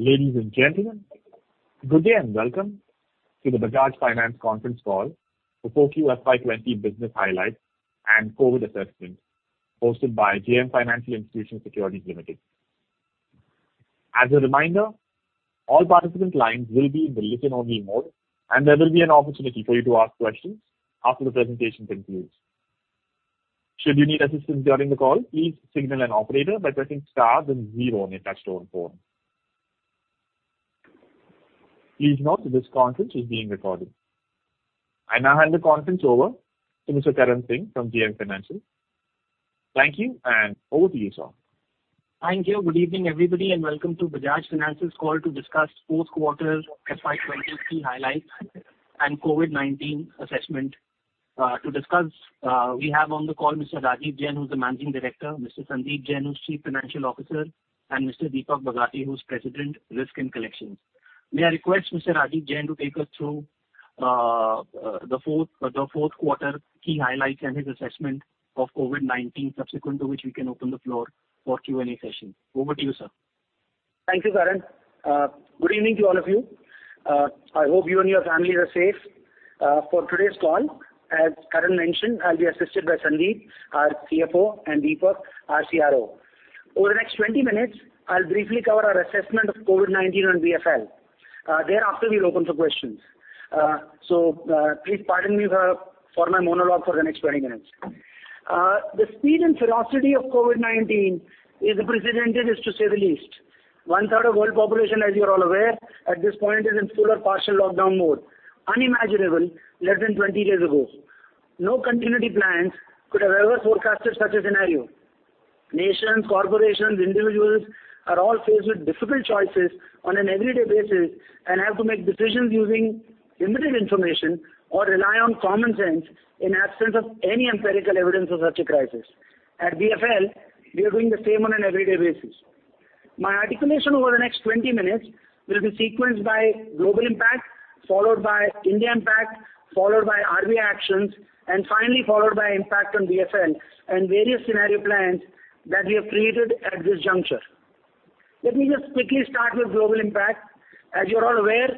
Ladies and gentlemen, good day and welcome to the Bajaj Finance conference call for 4Q FY 2020 business highlights and COVID assessment hosted by JM Financial Institutional Securities Limited. As a reminder, all participant lines will be in the listen-only mode, and there will be an opportunity for you to ask questions after the presentation concludes. Should you need assistance during the call, please signal an operator by pressing star zero on your touch-tone phone. Please note that this conference is being recorded. I now hand the conference over to Mr. Karan Singh from JM Financial. Thank you, and over to you, sir. Thank you. Good evening, everybody, and welcome to Bajaj Finance's call to discuss fourth quarter FY 2020 key highlights and COVID-19 assessment. To discuss, we have on the call Mr. Rajeev Jain, who's the Managing Director, Mr. Sandeep Jain, who's Chief Financial Officer, and Mr. Sandeep Jainwho's President, Risk and Collections. May I request Mr. Rajeev Jain to take us through the fourth quarter key highlights and his assessment of COVID-19, subsequent to which we can open the floor for Q&A session. Over to you, sir. Thank you, Karan. Good evening to all of you. I hope you and your families are safe. For today's call, as Karan mentioned, I'll be assisted by Sandeep, our CFO, and Deepak, our CRO. Over the next 20 minutes, I'll briefly cover our assessment of COVID-19 on BFL. Thereafter, we'll open for questions. Please pardon me for my monologue for the next 20 minutes. The speed and ferocity of COVID-19 is unprecedented, to say the least. One third of world population, as you're all aware, at this point is in full or partial lockdown mode. Unimaginable less than 20 days ago. No continuity plans could have ever forecasted such a scenario. Nations, corporations, individuals are all faced with difficult choices on an everyday basis and have to make decisions using limited information or rely on common sense in absence of any empirical evidence of such a crisis. At BFL, we are doing the same on an everyday basis. My articulation over the next 20 minutes will be sequenced by global impact, followed by India impact, followed by RBI actions, and finally followed by impact on BFL and various scenario plans that we have created at this juncture. Let me just quickly start with global impact. As you're all aware,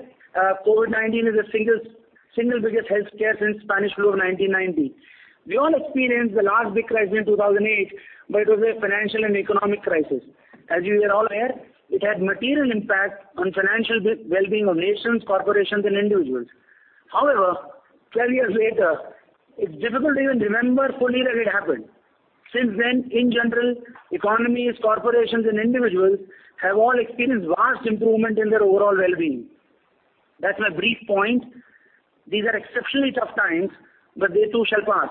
COVID-19 is the single biggest healthcare since Spanish flu of 1918. We all experienced the last big crisis in 2008. It was a financial and economic crisis. As you are all aware, it had material impact on financial well-being of nations, corporations, and individuals. 12 years later, it's difficult to even remember fully that it happened. Since then, in general, economies, corporations, and individuals have all experienced vast improvement in their overall well-being. That's my brief point. These are exceptionally tough times, but they too shall pass.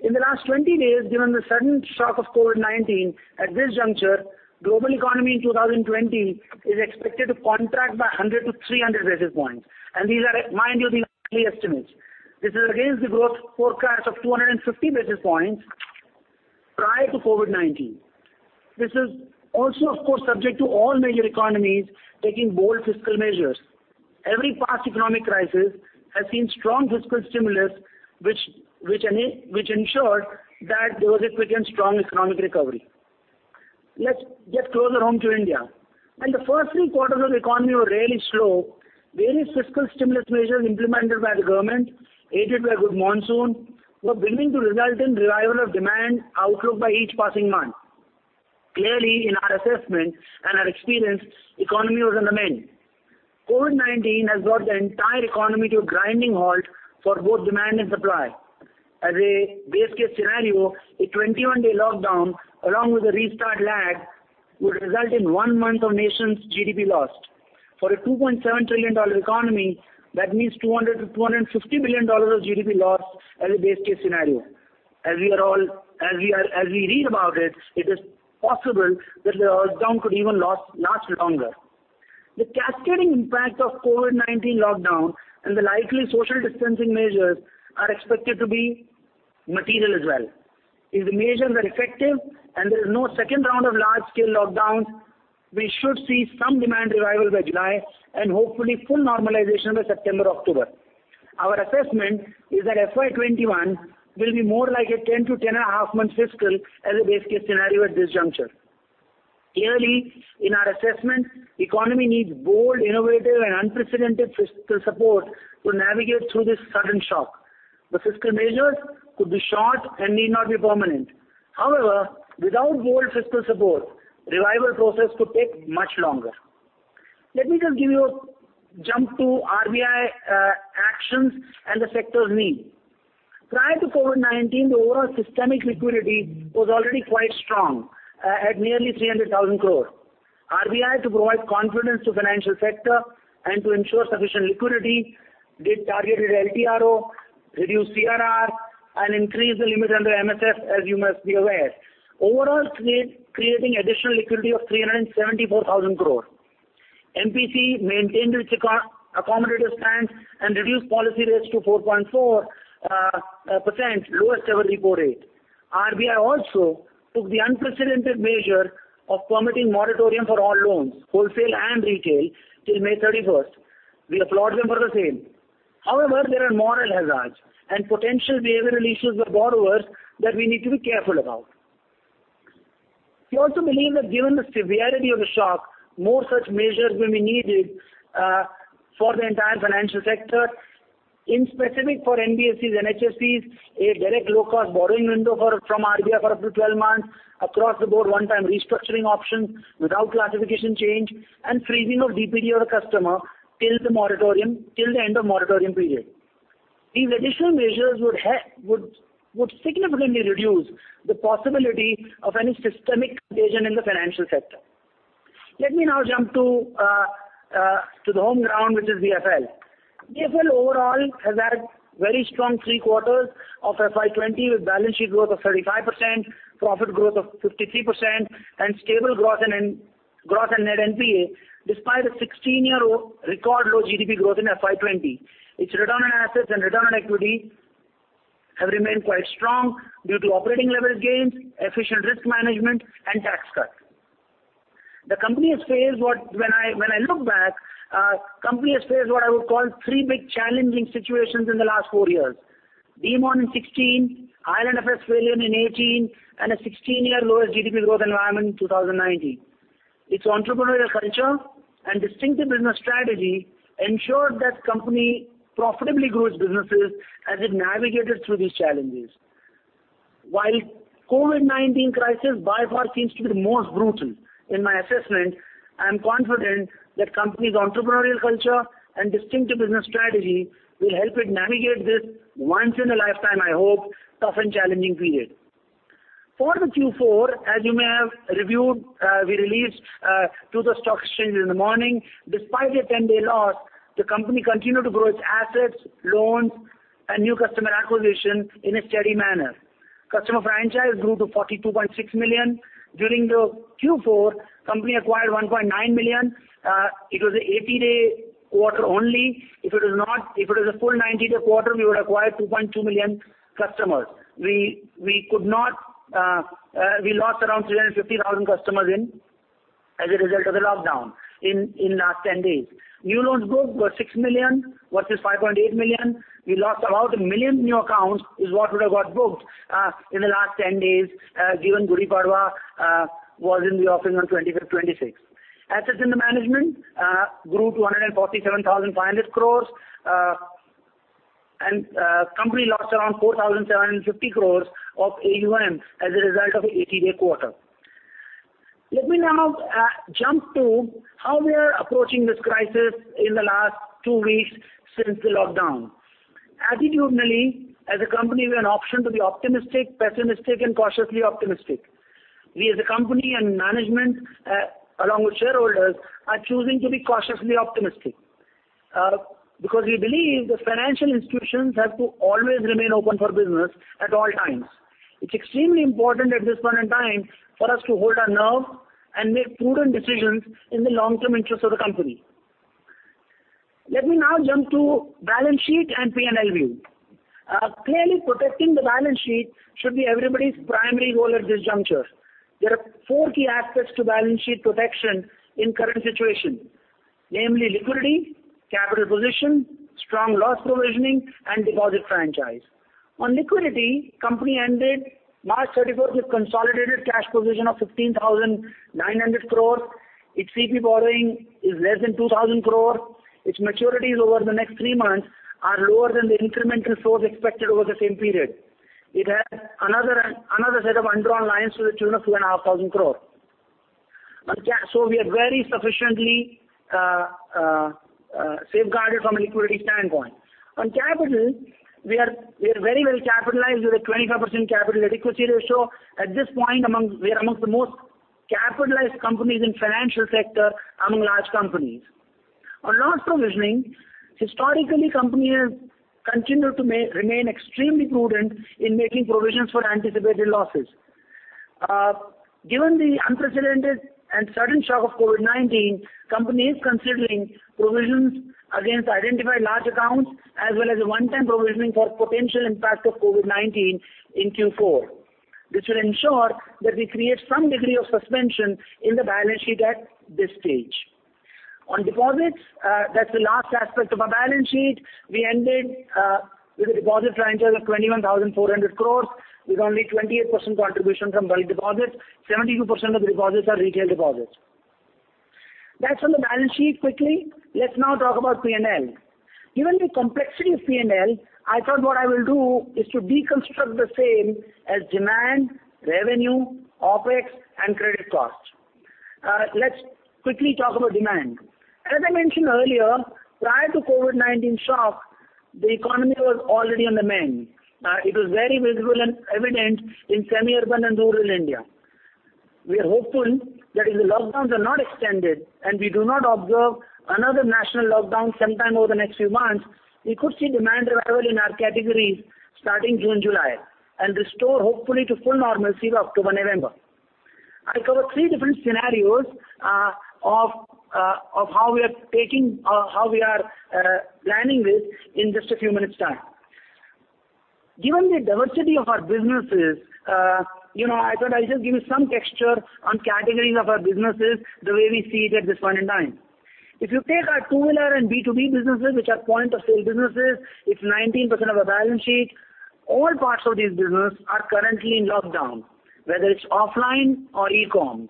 In the last 20 days, given the sudden shock of COVID-19, at this juncture, global economy in 2020 is expected to contract by 100-300 basis points. These are, mind you, the likely estimates. This is against the growth forecast of 250 basis points prior to COVID-19. This is also, of course, subject to all major economies taking bold fiscal measures. Every past economic crisis has seen strong fiscal stimulus, which ensured that there was a quick and strong economic recovery. Let's get closer home to India. When the first three quarters of the economy were really slow, various fiscal stimulus measures implemented by the government, aided by a good monsoon, were beginning to result in revival of demand outlook by each passing month. Clearly, in our assessment and our experience, economy was on the mend. COVID-19 has brought the entire economy to a grinding halt for both demand and supply. As a base case scenario, a 21-day lockdown, along with a restart lag, would result in one month of nation's GDP lost. For a $2.7 trillion economy, that means $200 billion-$250 billion of GDP lost as a base case scenario. As we read about it is possible that the lockdown could even last longer. The cascading impact of COVID-19 lockdown and the likely social distancing measures are expected to be material as well. If the measures are effective and there is no second round of large-scale lockdowns, we should see some demand revival by July and hopefully full normalization by September, October. Our assessment is that FY 2021 will be more like a 10-10.5 month fiscal as a base case scenario at this juncture. Clearly, in our assessment, economy needs bold, innovative, and unprecedented fiscal support to navigate through this sudden shock. The fiscal measures could be short and need not be permanent. However, without bold fiscal support, revival process could take much longer. Let me just give you a jump to RBI actions and the sector's need. Prior to COVID-19, the overall systemic liquidity was already quite strong at nearly 300,000 crore. RBI, to provide confidence to financial sector and to ensure sufficient liquidity, did targeted LTRO, reduced CRR, and increased the limit under MSF, as you must be aware. Overall, creating additional liquidity of 374,000 crore. MPC maintained its accommodative stance and reduced policy rates to 4.4%, lowest ever repo rate. RBI also took the unprecedented measure of permitting moratorium for all loans, wholesale and retail, till May 31st. We applaud them for the same. There are moral hazards and potential behavioral issues with borrowers that we need to be careful about. We also believe that given the severity of the shock, more such measures will be needed for the entire financial sector. In specific, for NBFCs, HFCs, a direct low-cost borrowing window from RBI for up to 12 months, across the board one-time restructuring options without classification change, and freezing of DPD or customer till the end of moratorium period. These additional measures would significantly reduce the possibility of any systemic contagion in the financial sector. Let me now jump to the home ground, which is BFL. BFL overall has had very strong three quarters of FY20 with balance sheet growth of 35%, profit growth of 53%, and stable growth in net NPA, despite a 16-year record low GDP growth in FY 2020. Its return on assets and return on equity have remained quite strong due to operating leverage gains, efficient risk management, and tax cut. When I look back, company has faced what I would call three big challenging situations in the last four years. Demonetization in 2016, IL&FS failure in 2018, and a 16-year lowest GDP growth environment in 2019. Its entrepreneurial culture and distinctive business strategy ensured that company profitably grew its businesses as it navigated through these challenges. While COVID-19 crisis by far seems to be the most brutal in my assessment, I am confident that company's entrepreneurial culture and distinctive business strategy will help it navigate this once-in-a-lifetime, I hope, tough and challenging period. For the Q4, as you may have reviewed, we released to the stock exchange in the morning. Despite a 10-day loss, the company continued to grow its assets, loans, and new customer acquisition in a steady manner. Customer franchise grew to 42.6 million. During the Q4, company acquired 1.9 million. It was a 80-day quarter only. If it was a full 90-day quarter, we would acquire 2.2 million customers. We lost around 350,000 customers as a result of the lockdown in last 10 days. New loans booked were 6 million versus 5.8 million. We lost about 1 million new accounts is what would have got booked in the last 10 days, given Gudi Padwa was in the offing on 25th, 26th. Assets under management grew to 147,500 crore. Company lost around 4,750 crore of AUM as a result of a 80-day quarter. Let me now jump to how we are approaching this crisis in the last two weeks since the lockdown. Attitudinally, as a company, we have an option to be optimistic, pessimistic, and cautiously optimistic. We as a company and management, along with shareholders, are choosing to be cautiously optimistic. We believe that financial institutions have to always remain open for business at all times. It's extremely important at this point in time for us to hold our nerve and make prudent decisions in the long-term interest of the company. Let me now jump to balance sheet and P&L view. Clearly protecting the balance sheet should be everybody's primary role at this juncture. There are four key aspects to balance sheet protection in current situation. Namely, liquidity, capital position, strong loss provisioning, and deposit franchise. On liquidity, company ended March 31st with consolidated cash position of 15,900 crore. Its CP borrowing is less than 2,000 crore. Its maturities over the next three months are lower than the incremental flows expected over the same period. It has another set of undrawn lines to the tune of 2,500 crores. We are very sufficiently safeguarded from a liquidity standpoint. On capital, we are very well capitalized with a 25% capital adequacy ratio. At this point, we are amongst the most capitalized companies in financial sector among large companies. On loss provisioning, historically, company has continued to remain extremely prudent in making provisions for anticipated losses. Given the unprecedented and sudden shock of COVID-19, company is considering provisions against identified large accounts as well as a one-time provisioning for potential impact of COVID-19 in Q4. This will ensure that we create some degree of cushion in the balance sheet at this stage. On deposits, that's the last aspect of our balance sheet. We ended with a deposit franchise of 21,400 crores, with only 28% contribution from bulk deposits. 72% of the deposits are retail deposits. That's on the balance sheet quickly. Let's now talk about P&L. Given the complexity of P&L, I thought what I will do is to deconstruct the same as demand, revenue, OpEx, and credit cost. Let's quickly talk about demand. As I mentioned earlier, prior to COVID-19 shock, the economy was already on the mend. It was very visible and evident in semi-urban and rural India. We are hopeful that if the lockdowns are not extended and we do not observe another national lockdown sometime over the next few months, we could see demand revival in our categories starting June, July, and restore hopefully to full normalcy by October, November. I'll cover three different scenarios of how we are planning this in just a few minutes' time. Given the diversity of our businesses, I thought I'll just give you some texture on categories of our businesses the way we see it at this point in time. If you take our two-wheeler and B2B businesses, which are point-of-sale businesses, it's 19% of our balance sheet. All parts of this business are currently in lockdown, whether it's offline or e-com.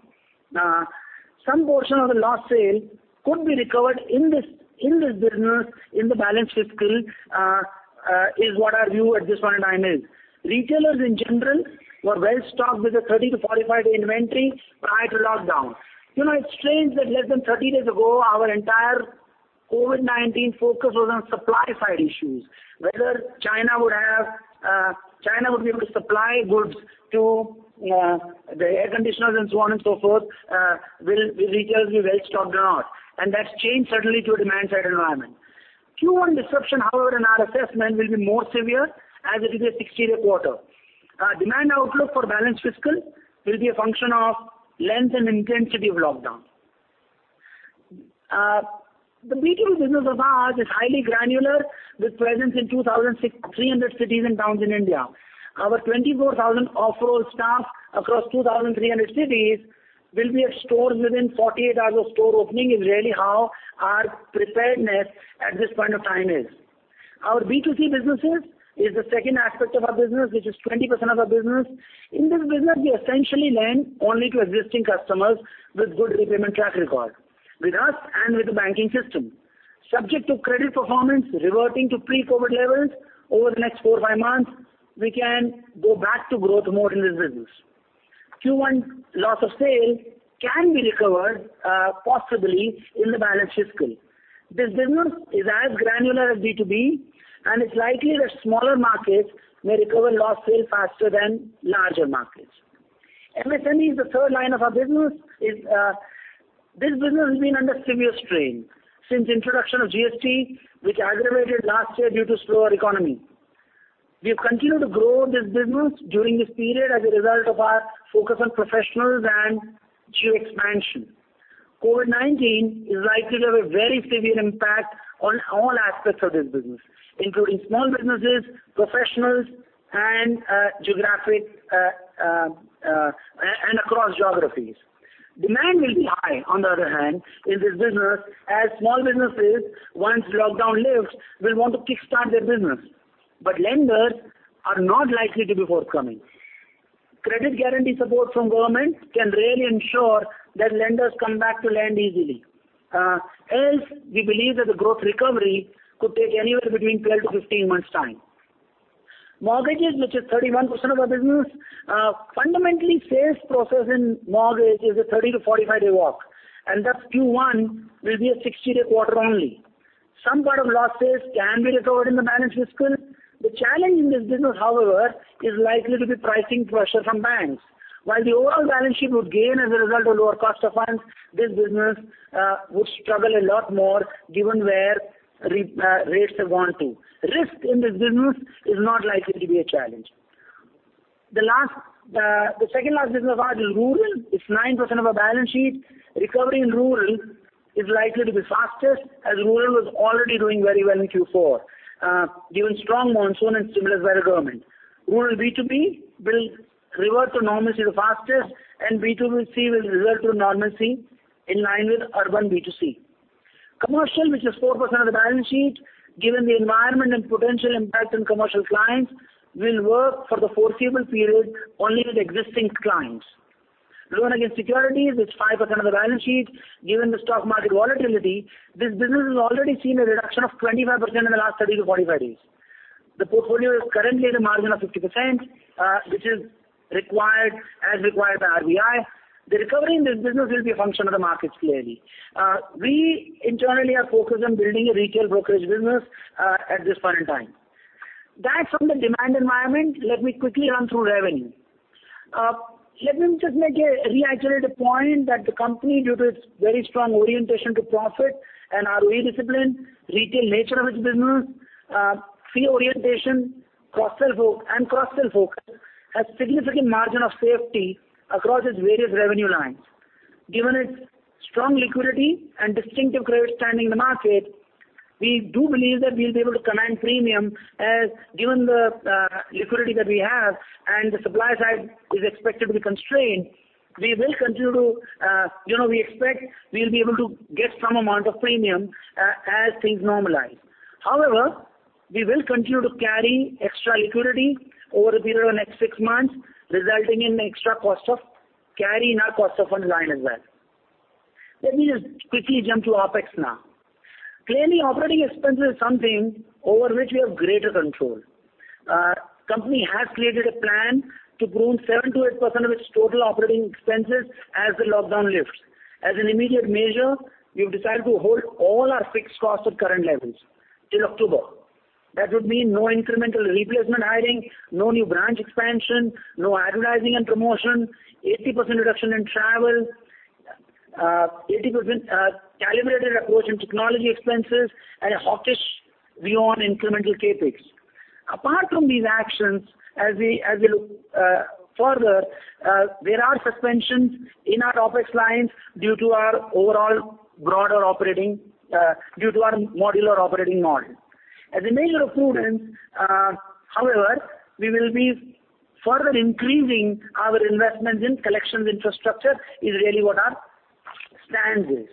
Some portion of the lost sale could be recovered in this business in the balanced fiscal, is what our view at this point in time is. Retailers, in general, were well-stocked with a 30-45 day inventory prior to lockdown. It's strange that less than 30 days ago, our entire COVID-19 focus was on supply side issues, whether China would be able to supply goods to the air conditioners and so on and so forth. Will retailers be well-stocked or not? That's changed suddenly to a demand side environment. Q1 disruption, however, in our assessment will be more severe as it is a 60-day quarter. Demand outlook for balanced fiscal will be a function of length and intensity of lockdown. The B2B business of ours is highly granular, with presence in 2,300 cities and towns in India. Our 24,000 off-roll staff across 2,300 cities will be at stores within 48 hours of store opening, is really how our preparedness at this point of time is. Our B2C businesses is the second aspect of our business, which is 20% of our business. In this business, we essentially lend only to existing customers with good repayment track record, with us and with the banking system. Subject to credit performance reverting to pre-COVID levels over the next four or five months, we can go back to growth mode in this business. Q1 loss of sale can be recovered, possibly, in the balanced fiscal. This business is as granular as B2B, and it's likely that smaller markets may recover lost sales faster than larger markets. MSME is the third line of our business. This business has been under severe strain since introduction of GST, which aggravated last year due to slower economy. We've continued to grow this business during this period as a result of our focus on professionals and geo expansion. COVID-19 is likely to have a very severe impact on all aspects of this business, including small businesses, professionals, and across geographies. Demand will be high, on the other hand, in this business, as small businesses, once lockdown lifts, will want to kickstart their business. Lenders are not likely to be forthcoming. Credit guarantee support from government can really ensure that lenders come back to lend easily. Else, we believe that the growth recovery could take anywhere between 12-15 months' time. Mortgages, which is 31% of our business. Fundamentally, sales process in mortgage is a 30-45 day walk, and thus Q1 will be a 60-day quarter only. Some part of lost sales can be recovered in the balanced fiscal. The challenge in this business, however, is likely to be pricing pressure from banks. While the overall balance sheet would gain as a result of lower cost of funds, this business would struggle a lot more given where rates have gone to. Risk in this business is not likely to be a challenge. The second-largest business of ours is rural. It's 9% of our balance sheet. Recovery in rural is likely to be fastest, as rural was already doing very well in Q4 due to strong monsoon and stimulus by the government. Rural B2B will revert to normalcy the fastest, and B2C will revert to normalcy in line with urban B2C. Commercial, which is 4% of the balance sheet, given the environment and potential impact on commercial clients, will work for the foreseeable period only with existing clients. Loan against securities is 5% of the balance sheet. Given the stock market volatility, this business has already seen a reduction of 25% in the last 30-45 days. The portfolio is currently at a margin of 50%, as required by RBI. The recovery in this business will be a function of the markets clearly. We internally are focused on building a retail brokerage business at this point in time. That's from the demand environment. Let me quickly run through revenue. Let me just reiterate a point that the company, due to its very strong orientation to profit and our really disciplined retail nature of its business, fee orientation, and cross-sell focus, has significant margin of safety across its various revenue lines. Given its strong liquidity and distinctive credit standing in the market, we do believe that we'll be able to command premium, as given the liquidity that we have and the supply side is expected to be constrained. We expect we'll be able to get some amount of premium as things normalize. However, we will continue to carry extra liquidity over a period of next six months, resulting in extra cost of carry in our cost of funds line as well. Let me just quickly jump to OpEx now. Clearly, operating expense is something over which we have greater control. Company has created a plan to prune 7%-8% of its total operating expenses as the lockdown lifts. As an immediate measure, we've decided to hold all our fixed costs at current levels till October. That would mean no incremental replacement hiring, no new branch expansion, no advertising and promotion, 80% reduction in travel, 80% calibrated approach in technology expenses, and a hawkish view on incremental CapEx. Apart from these actions, as we look further, there are suspensions in our OpEx lines due to our modular operating model. As a measure of prudence, however, we will be further increasing our investments in collections infrastructure is really what our stance is.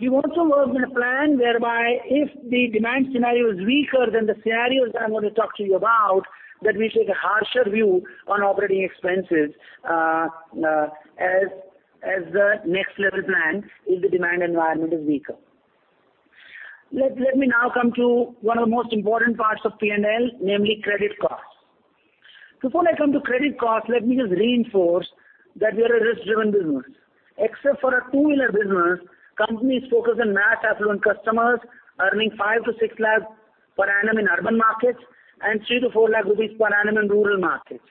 We've also worked on a plan whereby if the demand scenario is weaker than the scenarios that I'm going to talk to you about, that we take a harsher view on operating expenses as the next level plan if the demand environment is weaker. Let me now come to one of the most important parts of P&L, namely credit cost. Before I come to credit cost, let me just reinforce that we are a risk-driven business. Except for our two-wheeler business, companies focus on mass affluent customers earning 5 lakh-6 lakh per annum in urban markets and 3 lakh-4 lakh rupees per annum in rural markets.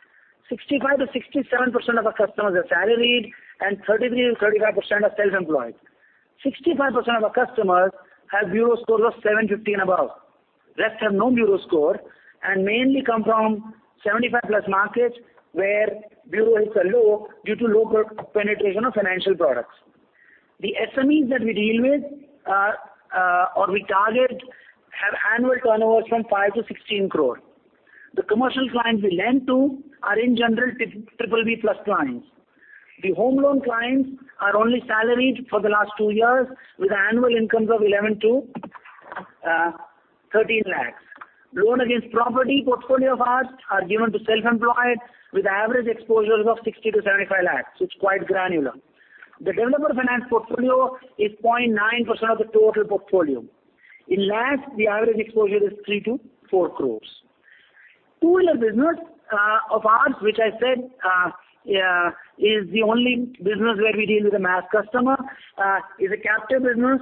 65%-67% of our customers are salaried and 33%-35% are self-employed. 65% of our customers have bureau scores of 750 and above. Rest have no bureau score and mainly come from 75+ markets where bureau is low due to low penetration of financial products. The SMEs that we deal with or we target have annual turnovers from 5 crores-16 crores. The commercial clients we lend to are in general BBB+ clients. The home loan clients are only salaried for the last two years with annual incomes of 11 lakhs-13 lakhs. Loan against property portfolio of ours are given to self-employed with average exposures of 60 lakhs-75 lakhs, so it's quite granular. The developer finance portfolio is 0.9% of the total portfolio. In LAS, the average exposure is 3 crores-4 crores. Two-wheeler business of ours, which I said is the only business where we deal with a mass customer, is a captive business.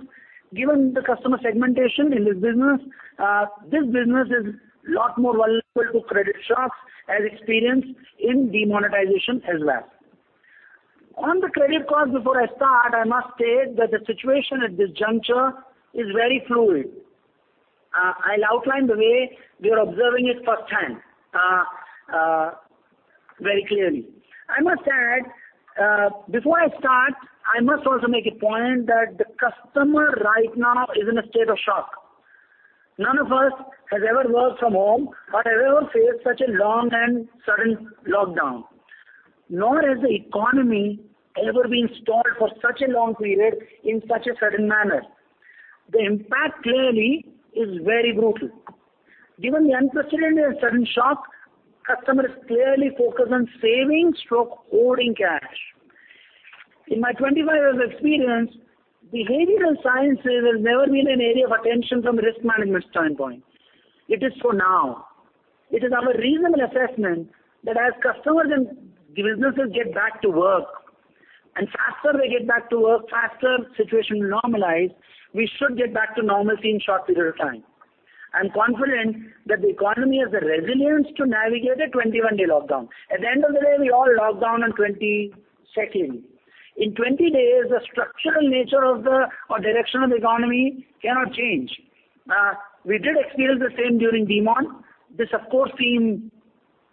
Given the customer segmentation in this business, this business is a lot more vulnerable to credit shocks as experienced in demonetization as well. On the credit cost, before I start, I must state that the situation at this juncture is very fluid. I'll outline the way we are observing it firsthand very clearly. Before I start, I must also make a point that the customer right now is in a state of shock. None of us has ever worked from home or has ever faced such a long and sudden lockdown. Nor has the economy ever been stalled for such a long period in such a sudden manner. The impact clearly is very brutal. Given the unprecedented and sudden shock, customers clearly focus on saving/hoarding cash. In my 25 years of experience, behavioral sciences has never been an area of attention from a risk management standpoint. It is for now. It is our reasonable assessment that as customers and businesses get back to work, and faster they get back to work, faster situation will normalize, we should get back to normalcy in short period of time. I am confident that the economy has the resilience to navigate a 21-day lockdown. At the end of the day, we all locked down on 22nd. In 20 days, the structural nature of the direction of the economy cannot change. We did experience the same during demonetization. This, of course, seemed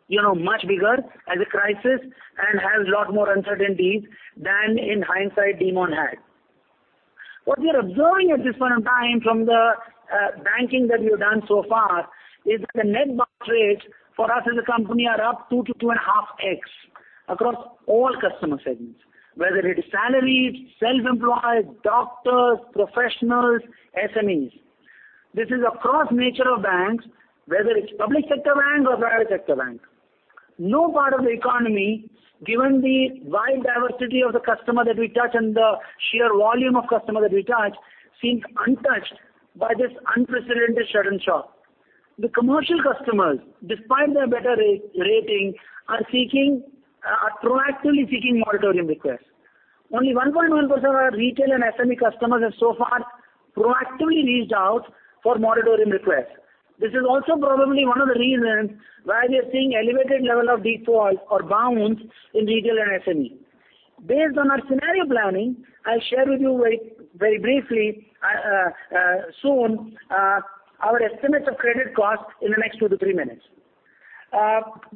much bigger as a crisis and has a lot more uncertainties than in hindsight demonetization had. What we are observing at this point in time from the banking that we have done so far is that the net bounce rates for us as a company are up 2-2.5x across all customer segments, whether it is salaried, self-employed, doctors, professionals, SMEs. This is across nature of banks, whether it's public sector banks or private sector banks. No part of the economy, given the wide diversity of the customer that we touch and the sheer volume of customer that we touch, seems untouched by this unprecedented sudden shock. The commercial customers, despite their better rating, are proactively seeking moratorium requests. Only 1.1% of our retail and SME customers have so far proactively reached out for moratorium requests. This is also probably one of the reasons why we are seeing elevated level of defaults or bounce in retail and SME. Based on our scenario planning, I'll share with you very briefly soon our estimates of credit cost in the next two to three minutes.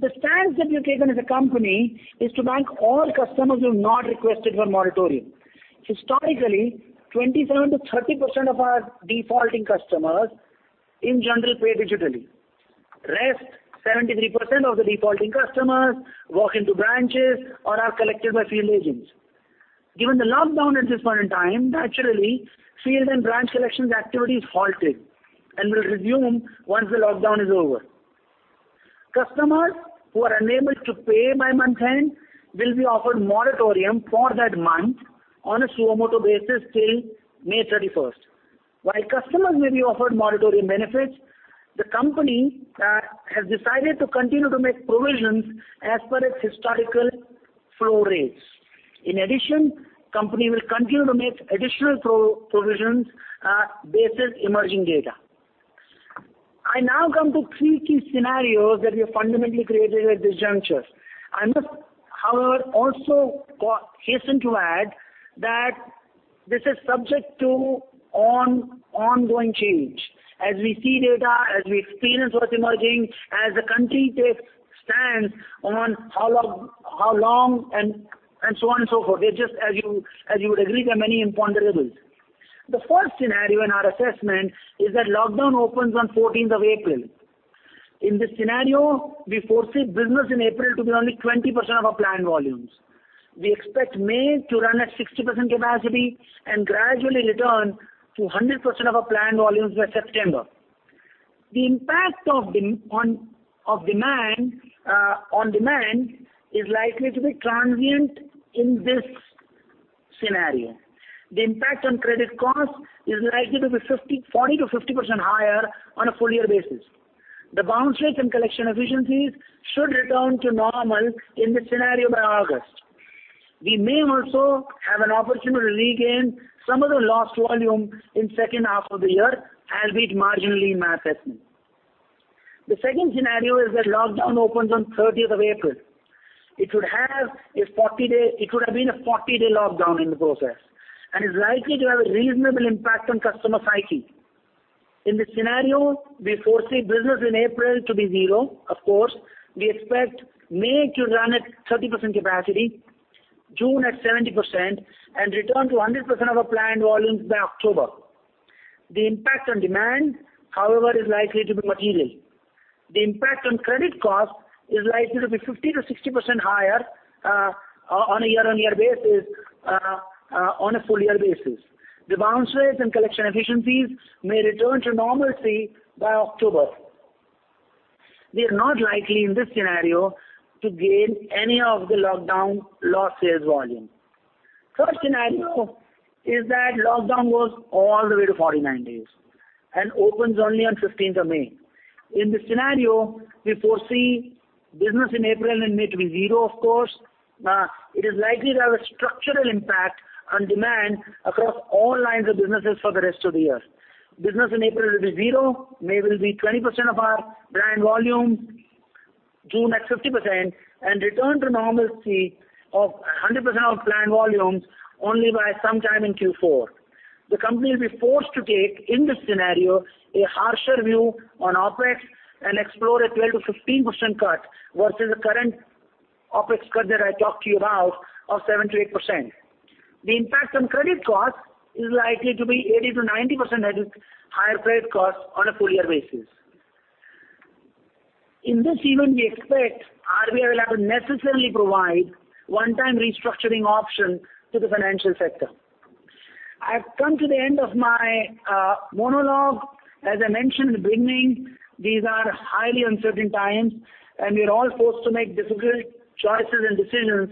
The stance that we have taken as a company is to bank all customers who have not requested for moratorium. Historically, 27%-30% of our defaulting customers in general pay digitally. Rest, 73% of the defaulting customers walk into branches or are collected by field agents. Given the lockdown at this point in time, naturally, field and branch collections activity is halted and will resume once the lockdown is over. Customers who are unable to pay by month-end will be offered moratorium for that month on a suo moto basis till May 31st. While customers may be offered moratorium benefits, the company has decided to continue to make provisions as per its historical flow rates. In addition, company will continue to make additional provisions based on emerging data. I now come to three key scenarios that we have fundamentally created at this juncture. I must, however, also hasten to add that this is subject to ongoing change. As we see data, as we experience what's emerging, as the country takes stands on how long and so on and so forth. As you would agree, there are many imponderables. The first scenario in our assessment is that lockdown opens on 14th of April. In this scenario, we foresee business in April to be only 20% of our planned volumes. We expect May to run at 60% capacity and gradually return to 100% of our planned volumes by September. The impact on demand is likely to be transient in this scenario. The impact on credit cost is likely to be 40%-50% higher on a full year basis. The bounce rates and collection efficiencies should return to normal in this scenario by August. We may also have an opportunity to regain some of the lost volume in second half of the year, albeit marginally in my assessment. The second scenario is that lockdown opens on 30th of April. It would have been a 40-day lockdown in the process, and is likely to have a reasonable impact on customer psyche. In this scenario, we foresee business in April to be zero, of course. We expect May to run at 30% capacity, June at 70%, and return to 100% of our planned volumes by October. The impact on demand, however, is likely to be material. The impact on credit cost is likely to be 50%-60% higher on a year-over-year basis, on a full year basis. The bounce rates and collection efficiencies may return to normalcy by October. We are not likely in this scenario to gain any of the lockdown lost sales volume. Third scenario is that lockdown goes all the way to 49 days, and opens only on 15th of May. In this scenario, we foresee business in April and May to be zero, of course. It is likely to have a structural impact on demand across all lines of businesses for the rest of the year. Business in April will be zero, May will be 20% of our planned volume, June at 50%, and return to normalcy of 100% of planned volumes only by sometime in Q4. The company will be forced to take, in this scenario, a harsher view on OpEx and explore a 12%-15% cut versus the current OpEx cut that I talked to you about of 7%-8%. The impact on credit cost is likely to be 80%-90% higher credit cost on a full year basis. In this event, we expect RBI will have to necessarily provide one-time restructuring option to the financial sector. I've come to the end of my monologue. As I mentioned in the beginning, these are highly uncertain times, and we're all forced to make difficult choices and decisions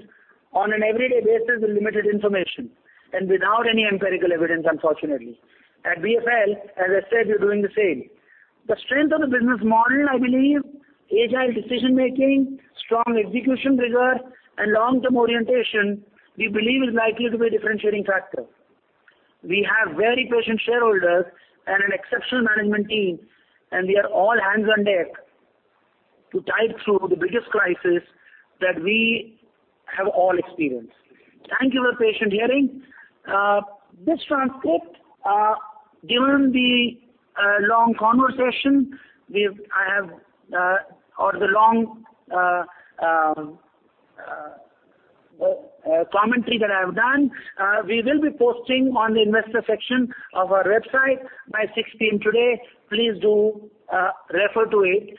on an everyday basis with limited information, and without any empirical evidence, unfortunately. At BFL, as I said, we're doing the same. The strength of the business model, I believe, agile decision making, strong execution rigor, and long-term orientation, we believe is likely to be a differentiating factor. We have very patient shareholders and an exceptional management team. We are all hands on deck to tide through the biggest crisis that we have all experienced. Thank you for patient hearing. This transcript, given the long conversation or the long commentary that I have done, we will be posting on the investor section of our website by 16:00 today. Please do refer to it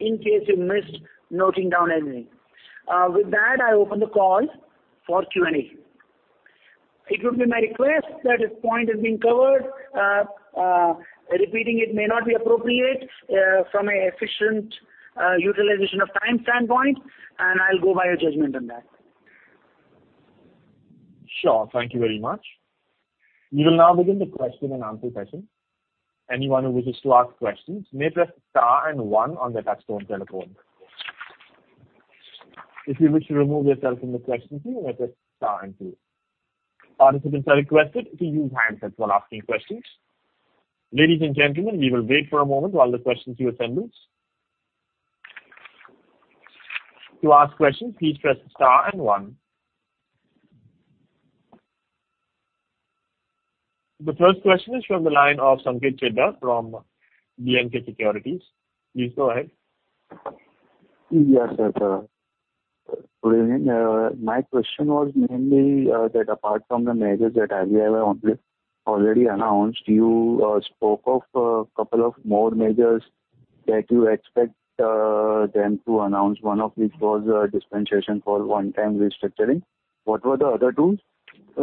in case you missed noting down anything. With that, I open the call for Q&A. It would be my request that if point has been covered, repeating it may not be appropriate from an efficient utilization of time standpoint. I'll go by your judgment on that. Sure. Thank you very much. We will now begin the question-and-answer session. Anyone who wishes to ask questions may press star and one on their touch-tone telephone. If you wish to remove yourself from the question queue, you may press star and two. Participants are requested to use handsets while asking questions. Ladies and gentlemen, we will wait for a moment while the questions queue assembles. To ask questions, please press star and one. The first question is from the line of Sanket Chheda from B&K Securities. Please go ahead. Yes, sir. Good evening. My question was mainly that apart from the measures that RBI have already announced, you spoke of a couple of more measures that you expect them to announce, one of which was dispensation for one-time restructuring. What were the other two, sir?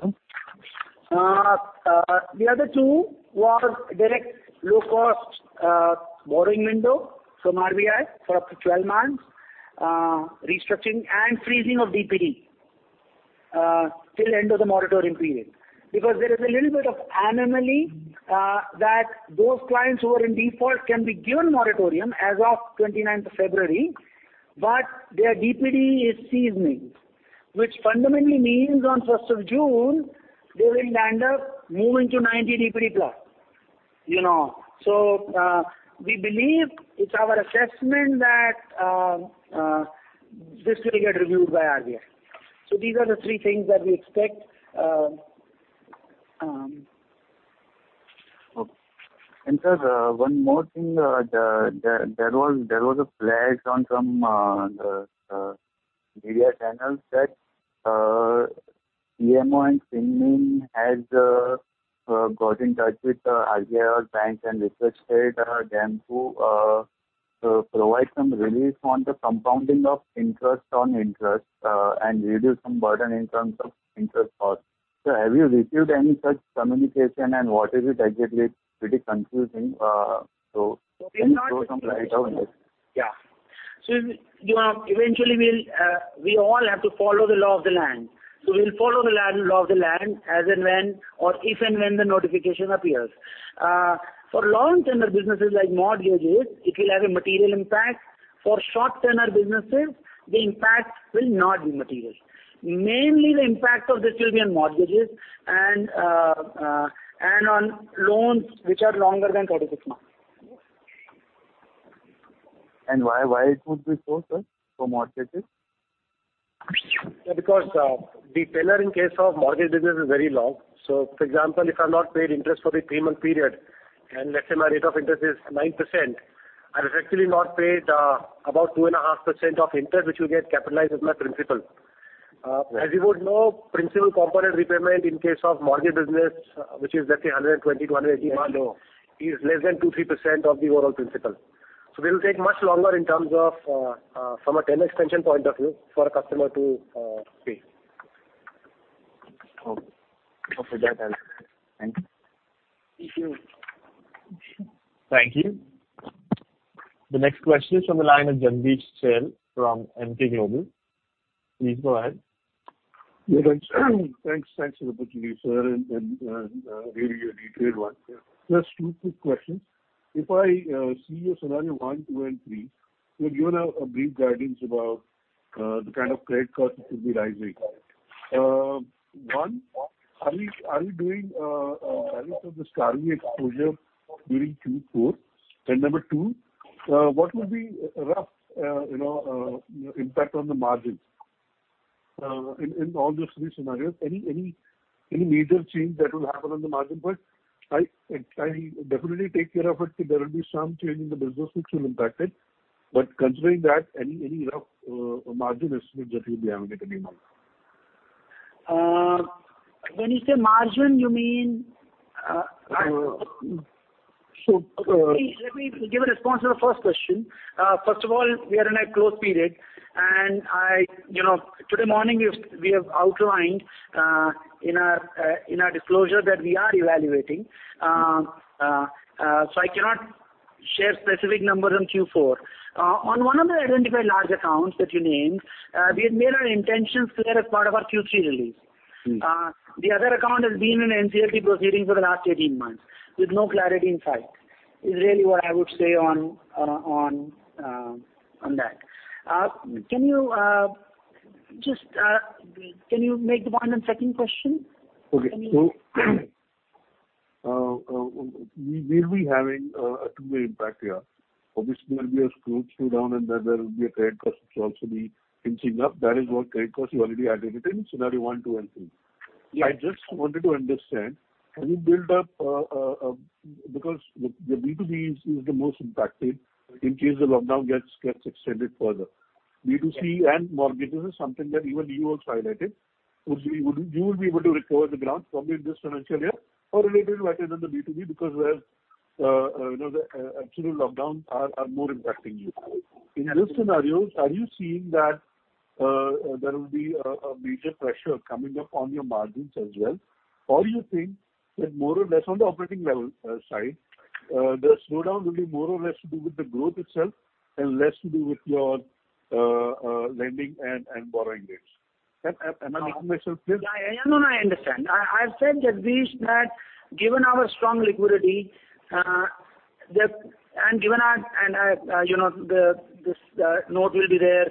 The other two was direct low-cost borrowing window from RBI for up to 12 months restructuring and freezing of DPD till end of the moratorium period. There is a little bit of anomaly that those clients who are in default can be given moratorium as of 29th of February, but their DPD is seasoning, which fundamentally means on 1st of June, they will land up moving to 90 DPD+. We believe it's our assessment that this will get reviewed by RBI. These are the three things that we expect. Okay. Sir, one more thing. There was a pledge on some media channels that PMO and FinMin has got in touch with RBI or banks and requested them to provide some relief on the compounding of interest on interest, and reduce some burden in terms of interest cost. Sir, have you received any such communication, and what is it exactly? It's pretty confusing. Can you throw some light on this? Yeah. Eventually, we all have to follow the law of the land. We'll follow the law of the land as and when or if and when the notification appears. For long-term businesses like mortgages, it will have a material impact. For short-term businesses, the impact will not be material. Mainly, the impact of this will be on mortgages and on loans which are longer than 36 months. Why it would be so, sir, for mortgages? The tenure in case of mortgage business is very long. For example, if I've not paid interest for the three-month period, and let's say my rate of interest is 9%, I've effectively not paid about 2.5% of interest, which will get capitalized as my principal. As you would know, principal component repayment in case of mortgage business, which is let's say 120-180 months is less than 2%-3% of the overall principal. We'll take much longer in terms of from a term extension point of view for a customer to pay. Okay. For that answer. Thank you. Thank you. Thank you. The next question is on the line is Dhananjay Sinha from Emkay Global. Please go ahead. Thanks for the opportunity, sir, really a detailed one. Just two quick questions. If I see your scenario one, two, and three, you have given a brief guidance about the kind of credit cost that will be rising. One, are you doing a review of the 13 exposure during Q4? Number two, what would be a rough impact on the margin in all those three scenarios? Any major change that will happen on the margin? I definitely take care of it. There will be some change in the business which will impact it. Considering that, any rough margin estimate that you'll be having at the moment? When you say margin, you mean? So- Let me give a response to the first question. First of all, we are in a closed period. Today morning we have outlined in our disclosure that we are evaluating. I cannot share specific numbers on Q4. On one of the identified large accounts that you named, we have made our intentions clear as part of our Q3 release. The other account has been in NCLT proceedings for the last 18 months with no clarity in sight, is really what I would say on that. Can you make the one and second question? Okay. We'll be having a two-way impact here. Obviously, there will be a growth slowdown, there will be a credit cost which will also be inching up. That is what credit cost you already added it in, scenario one, two, and three. Yeah. I just wanted to understand, have you built up, because the B2B is the most impacted in case the lockdown gets extended further. B2C and mortgages is something that even you also highlighted. You will be able to recover the ground probably in this financial year or related right in the B2B because the actual lockdowns are more impacting you. In these scenarios, are you seeing that there will be a major pressure coming up on your margins as well? You think that more or less on the operating level side, the slowdown will be more or less to do with the growth itself and less to do with your lending and borrowing rates? Am I making myself clear? I understand. I've said, Dhananjay, that given our strong liquidity, and this note will be there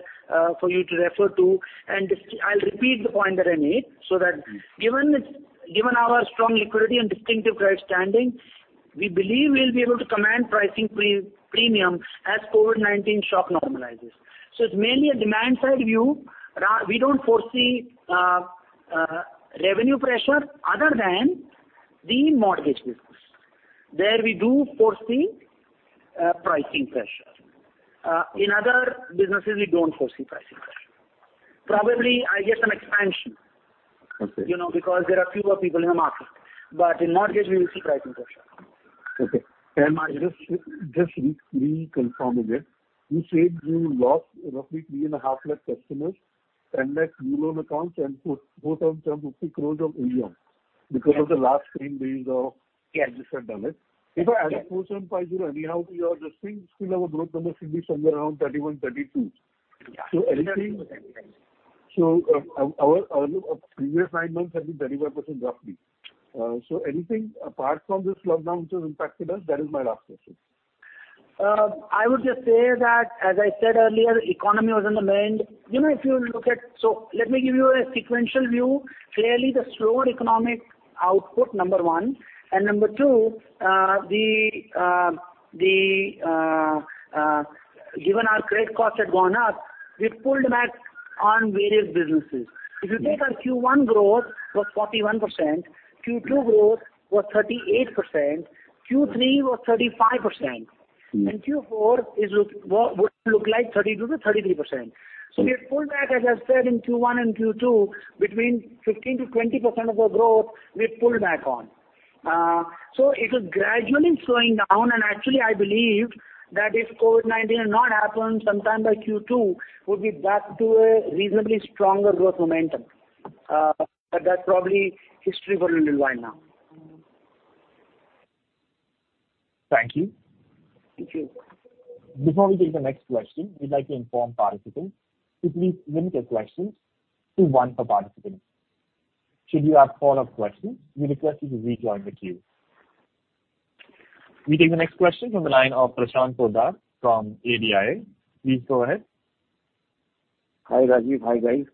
for you to refer to, and I'll repeat the point that I made. That given our strong liquidity and distinctive credit standing, we believe we'll be able to command pricing premium as COVID-19 shock normalizes. It's mainly a demand-side view. We don't foresee revenue pressure other than the mortgage business. There we do foresee pricing pressure. In other businesses, we don't foresee pricing pressure. Probably, I guess an expansion. Okay. There are fewer people in the market. In mortgage, we will see pricing pressure. Okay. Can I just reconfirm again? You said you lost roughly 3.5 lakh customers, 10 lakh new loan accounts, and fourth on term 50 crores of EOM because of the last 10 days. Yes additional damage. If I add a 4,750 anyhow to your existing skill level, growth numbers should be somewhere around 31%-32%. Yeah. Our previous nine months have been 35% roughly. Anything apart from this lockdown which has impacted us? That is my last question. I would just say that, as I said earlier, economy was on the mend. Let me give you a sequential view. Clearly, the slower economic output, number one. Number two, given our credit costs had gone up, we pulled back on various businesses. If you take our Q1 growth was 41%, Q2 growth was 38%, Q3 was 35%, and Q4 would look like 32%-33%. We have pulled back, as I said, in Q1 and Q2, between 15%-20% of our growth we've pulled back on. It was gradually slowing down, and actually, I believe that if COVID-19 had not happened, sometime by Q2, we'd be back to a reasonably stronger growth momentum. That's probably history for a little while now. Thank you. Thank you. Before we take the next question, we'd like to inform participants to please limit their questions to one per participant. Should you have follow-up questions, we request you to rejoin the queue. We take the next question from the line of Prashant Poddar from ADIA. Please go ahead. Hi, Rajeev. Hi, guys.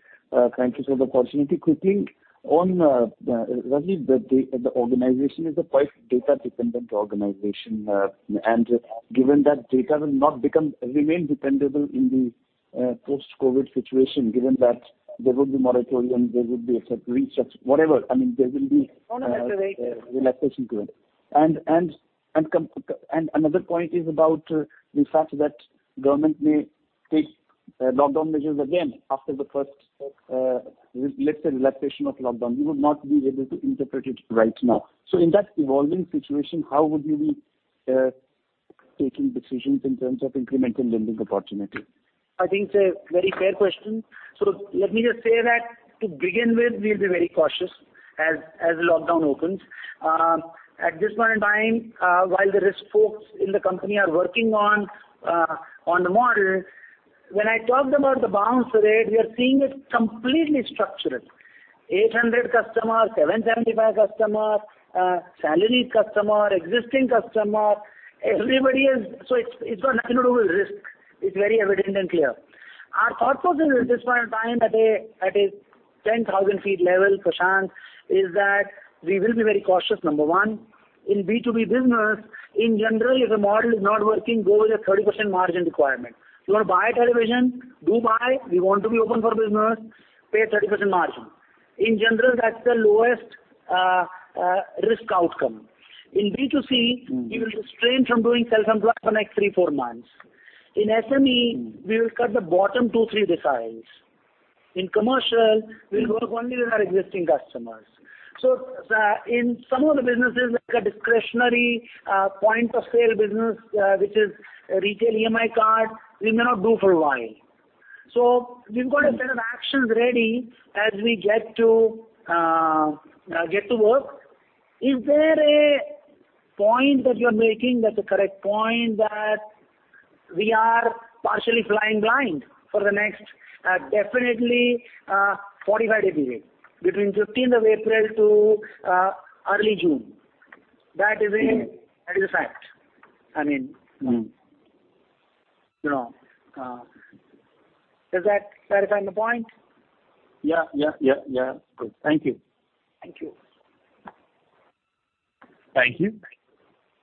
Thank you for the opportunity. Quickly on, Rajeev, the organization is a quite data-dependent organization. Given that data will not remain dependable in the post-COVID situation, given that there would be moratorium, there would be a reset, whatever. There will be relaxation to it. Another point is about the fact that government may take lockdown measures again after the first, let's say, relaxation of lockdown. We would not be able to interpret it right now. In that evolving situation, how would you be taking decisions in terms of incremental lending opportunity? I think it's a very fair question. Let me just say that to begin with, we'll be very cautious as lockdown opens. At this point in time, while the risk folks in the company are working on the model, when I talked about the bounce rate, we are seeing it completely structural. 800 customer, 775 customer, salaried customer, existing customer, everybody is, it's got nothing to do with risk, it's very evident and clear. Our thoughts also at this point in time at a 10,000 feet level, Prashant, is that we will be very cautious, number one. In B2B business, in general, if a model is not working, go with a 30% margin requirement. You want to buy a television, do buy. We want to be open for business, pay a 30% margin. In general, that's the lowest risk outcome. In B2C, we will restrain from doing sell from for the next three to four months. In SME, we will cut the bottom two to three deciles. In commercial, we'll work only with our existing customers. In some of the businesses, like a discretionary point of sale business which is retail EMI card, we may not do for a while. We've got a set of actions ready as we get to work. Is there a point that you're making that's a correct point that we are partially flying blind for the next definitely, 45 days away, between 15th of April to early June? That is a fact. Does that clarify my point? Yeah. Good. Thank you. Thank you. Thank you.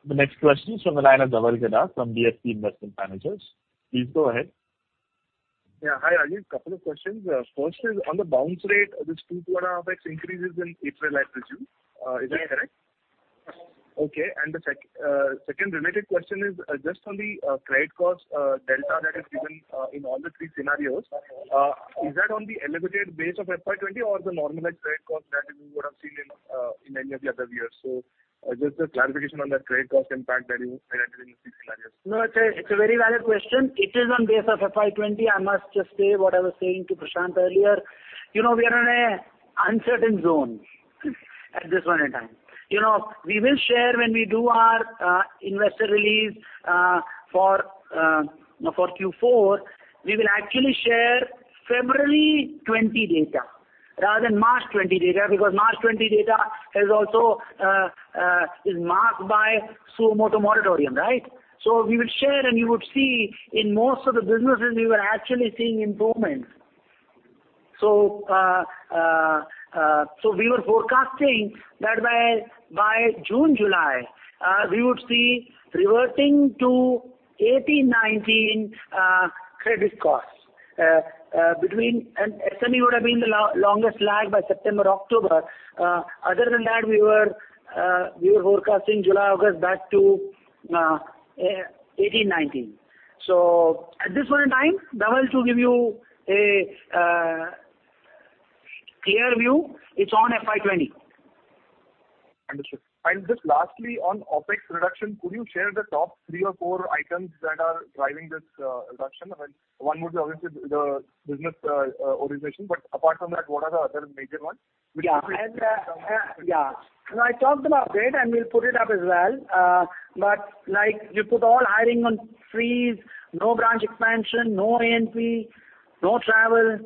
The next question is from the line of Dhaval Gada from DSP Investment Managers. Please go ahead. Yeah. Hi, Rajeev. Couple of questions. First is on the bounce rate, this 2.5x increase is in April, I presume. Is that correct? Yes. Okay. The second related question is just on the credit cost delta that is given in all the three scenarios. Is that on the elevated base of FY 2020 or the normalized credit cost that we would have seen in any of the other years? Just a clarification on that credit cost impact that you had in the three scenarios. It's a very valid question. It is on base of FY 2020. I must just say what I was saying to Prashant earlier. We are in an uncertain zone at this point in time. We will share when we do our investor release for Q4, we will actually share February 2020 data rather than March 2020 data because March 2020 data is marked by Su-Moto moratorium, right? We will share, and you would see in most of the businesses, we were actually seeing improvement. We were forecasting that by June, July, we would see reverting to 2018, 2019 credit costs. SME would have been the longest lag by September, October. Other than that, we were forecasting July, August back to 2018, 2019. At this point in time, Dhaval, to give you a clear view, it's on FY 2020. Understood. Just lastly, on OpEx reduction, could you share the top three or four items that are driving this reduction? One would be obviously the business organization, but apart from that, what are the other major ones? Yeah. No, I talked about it, and we'll put it up as well. You put all hiring on freeze, no branch expansion, no A&P, no travel.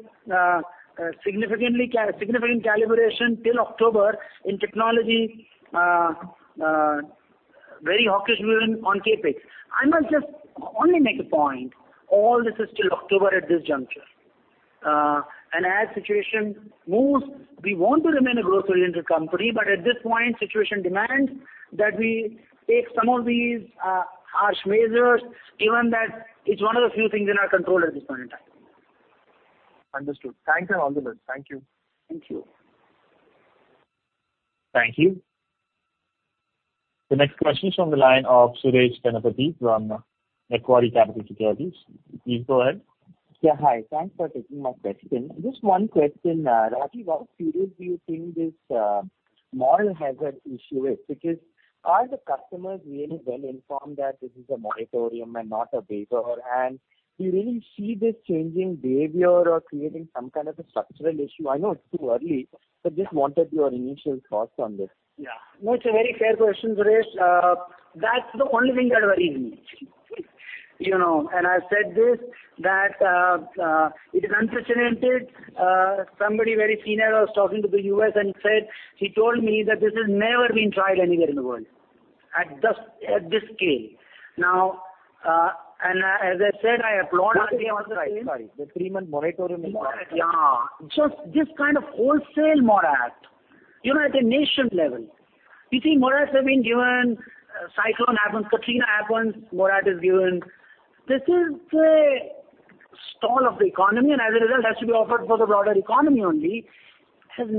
Significant calibration till October in technology. Very hawkish even on CapEx. I must just only make a point. All this is till October at this juncture. As situation moves, we want to remain a growth-oriented company. At this point, situation demands that we take some of these harsh measures, given that it's one of the few things in our control at this point in time. Understood. Thanks, and all the best. Thank you. Thank you. Thank you. The next question is from the line of Suresh Ganapathy from Macquarie Capital Securities. Please go ahead. Yeah. Hi. Thanks for taking my question. Just one question. Rajeev, how serious do you think this moral hazard issue is? Are the customers really well-informed that this is a moratorium and not a waiver? Do you really see this changing behavior or creating some kind of a structural issue? I know it's too early, but just wanted your initial thoughts on this. Yeah. No, it's a very fair question, Suresh. That's the only thing that worries me. I've said this, that it is unprecedented. Somebody very senior was talking to the U.S. and said, he told me that this has never been tried anywhere in the world at this scale. Now, as I said, I applaud. Sorry. The three-month moratorium. Moratorium. Yeah. Just this kind of wholesale morat at a nation level. You think morats have been given, cyclone happens, Katrina happens, morat is given. This is a stall of the economy, and as a result, has to be offered for the broader economy only. It's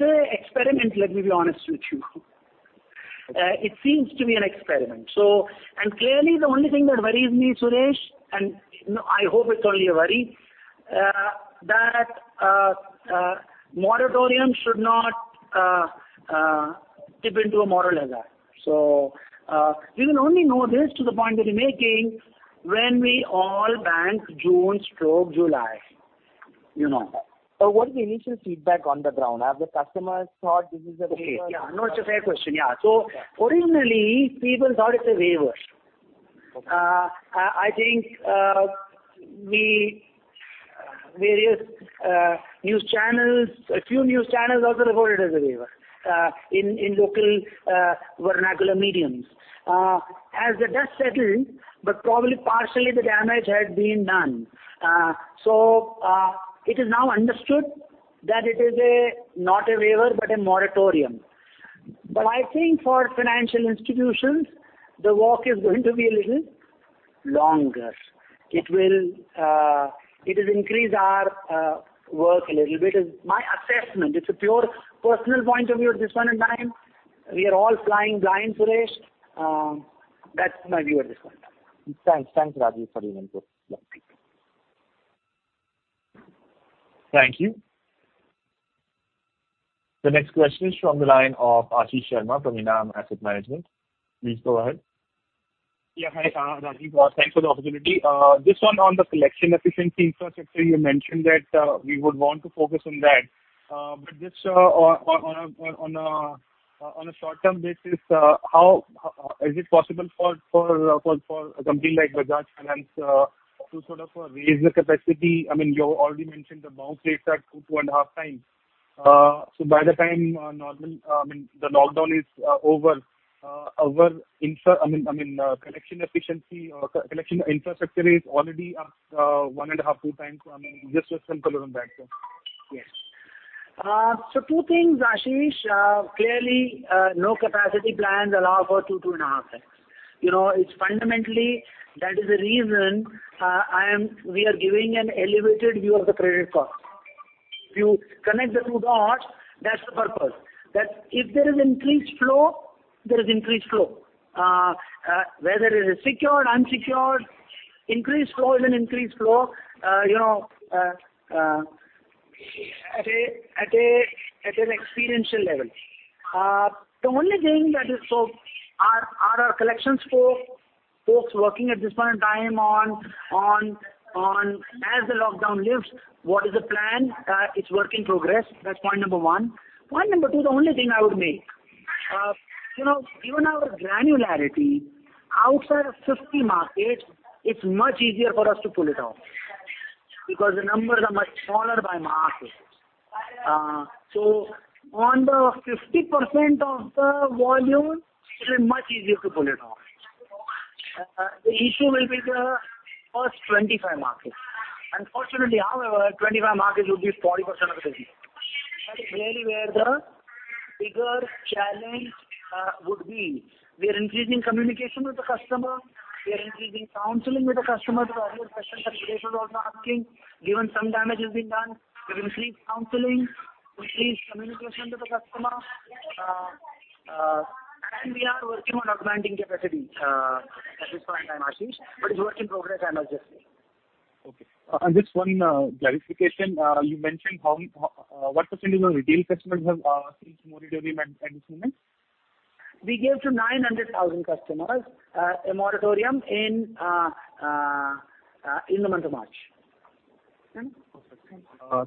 an experiment, let me be honest with you. It seems to be an experiment. Clearly the only thing that worries me, Suresh, and I hope it's only a worry, that moratorium should not tip into a moral hazard. We will only know this to the point that you're making when we all bank June/July. What is the initial feedback on the ground? Have the customers thought this is a waiver? Okay. Yeah, no, it's a fair question. Yeah. Originally, people thought it's a waiver. Okay. I think various news channels, a few news channels also reported as a waiver in local vernacular mediums. As the dust settled, probably partially the damage had been done. It is now understood that it is not a waiver, but a moratorium. I think for financial institutions, the walk is going to be a little longer. It will increase our work a little bit. It's my assessment. It's a pure personal point of view at this point in time. We are all flying blind, Suresh. That's my view at this point in time. Thanks. Thanks, Rajeev, for the input. Thank you. The next question is from the line of Ashish Sharma from Enam Asset Management. Please go ahead. Yeah. Hi, Rajeev. Thanks for the opportunity. Just one on the collection efficiency infrastructure. You mentioned that we would want to focus on that. Just on a short-term basis, is it possible for a company like Bajaj Finance to sort of raise the capacity? You already mentioned the bounce rates are two and a half times. By the time the lockdown is over, our collection efficiency or collection infrastructure is already up one and a half, two times. Just some color on that. Yes. Two things, Ashish. Clearly, no capacity plans allow for two and a half times. Fundamentally, that is the reason we are giving an elevated view of the credit cost. If you connect the two dots, that's the purpose. If there is increased flow, there is increased flow. Whether it is secured, unsecured, increased flow is an increased flow at an experiential level. The only thing that is so are our collection folks working at this point in time on as the lockdown lifts, what is the plan? It's work in progress. That's point number one. Point number two, the only thing I would make. Given our granularity, outside of 50 markets, it's much easier for us to pull it off because the numbers are much smaller by market. On the 50% of the volume, it is much easier to pull it off. The issue will be the first 25 markets. Unfortunately, however, 25 markets would be 40% of the business. That is really where the bigger challenge would be. We are increasing communication with the customer. We are increasing counseling with the customer to earlier questions that Suresh was also asking, given some damage has been done. We are increasing counseling. We are increasing communication with the customer. We are working on augmenting capacity at this point in time, Ashish, but it's work in progress, I must just say. Okay. Just one clarification. You mentioned what percentage of retail customers have sought moratorium at this moment? We gave to 900,000 customers a moratorium in the month of March. Perfect.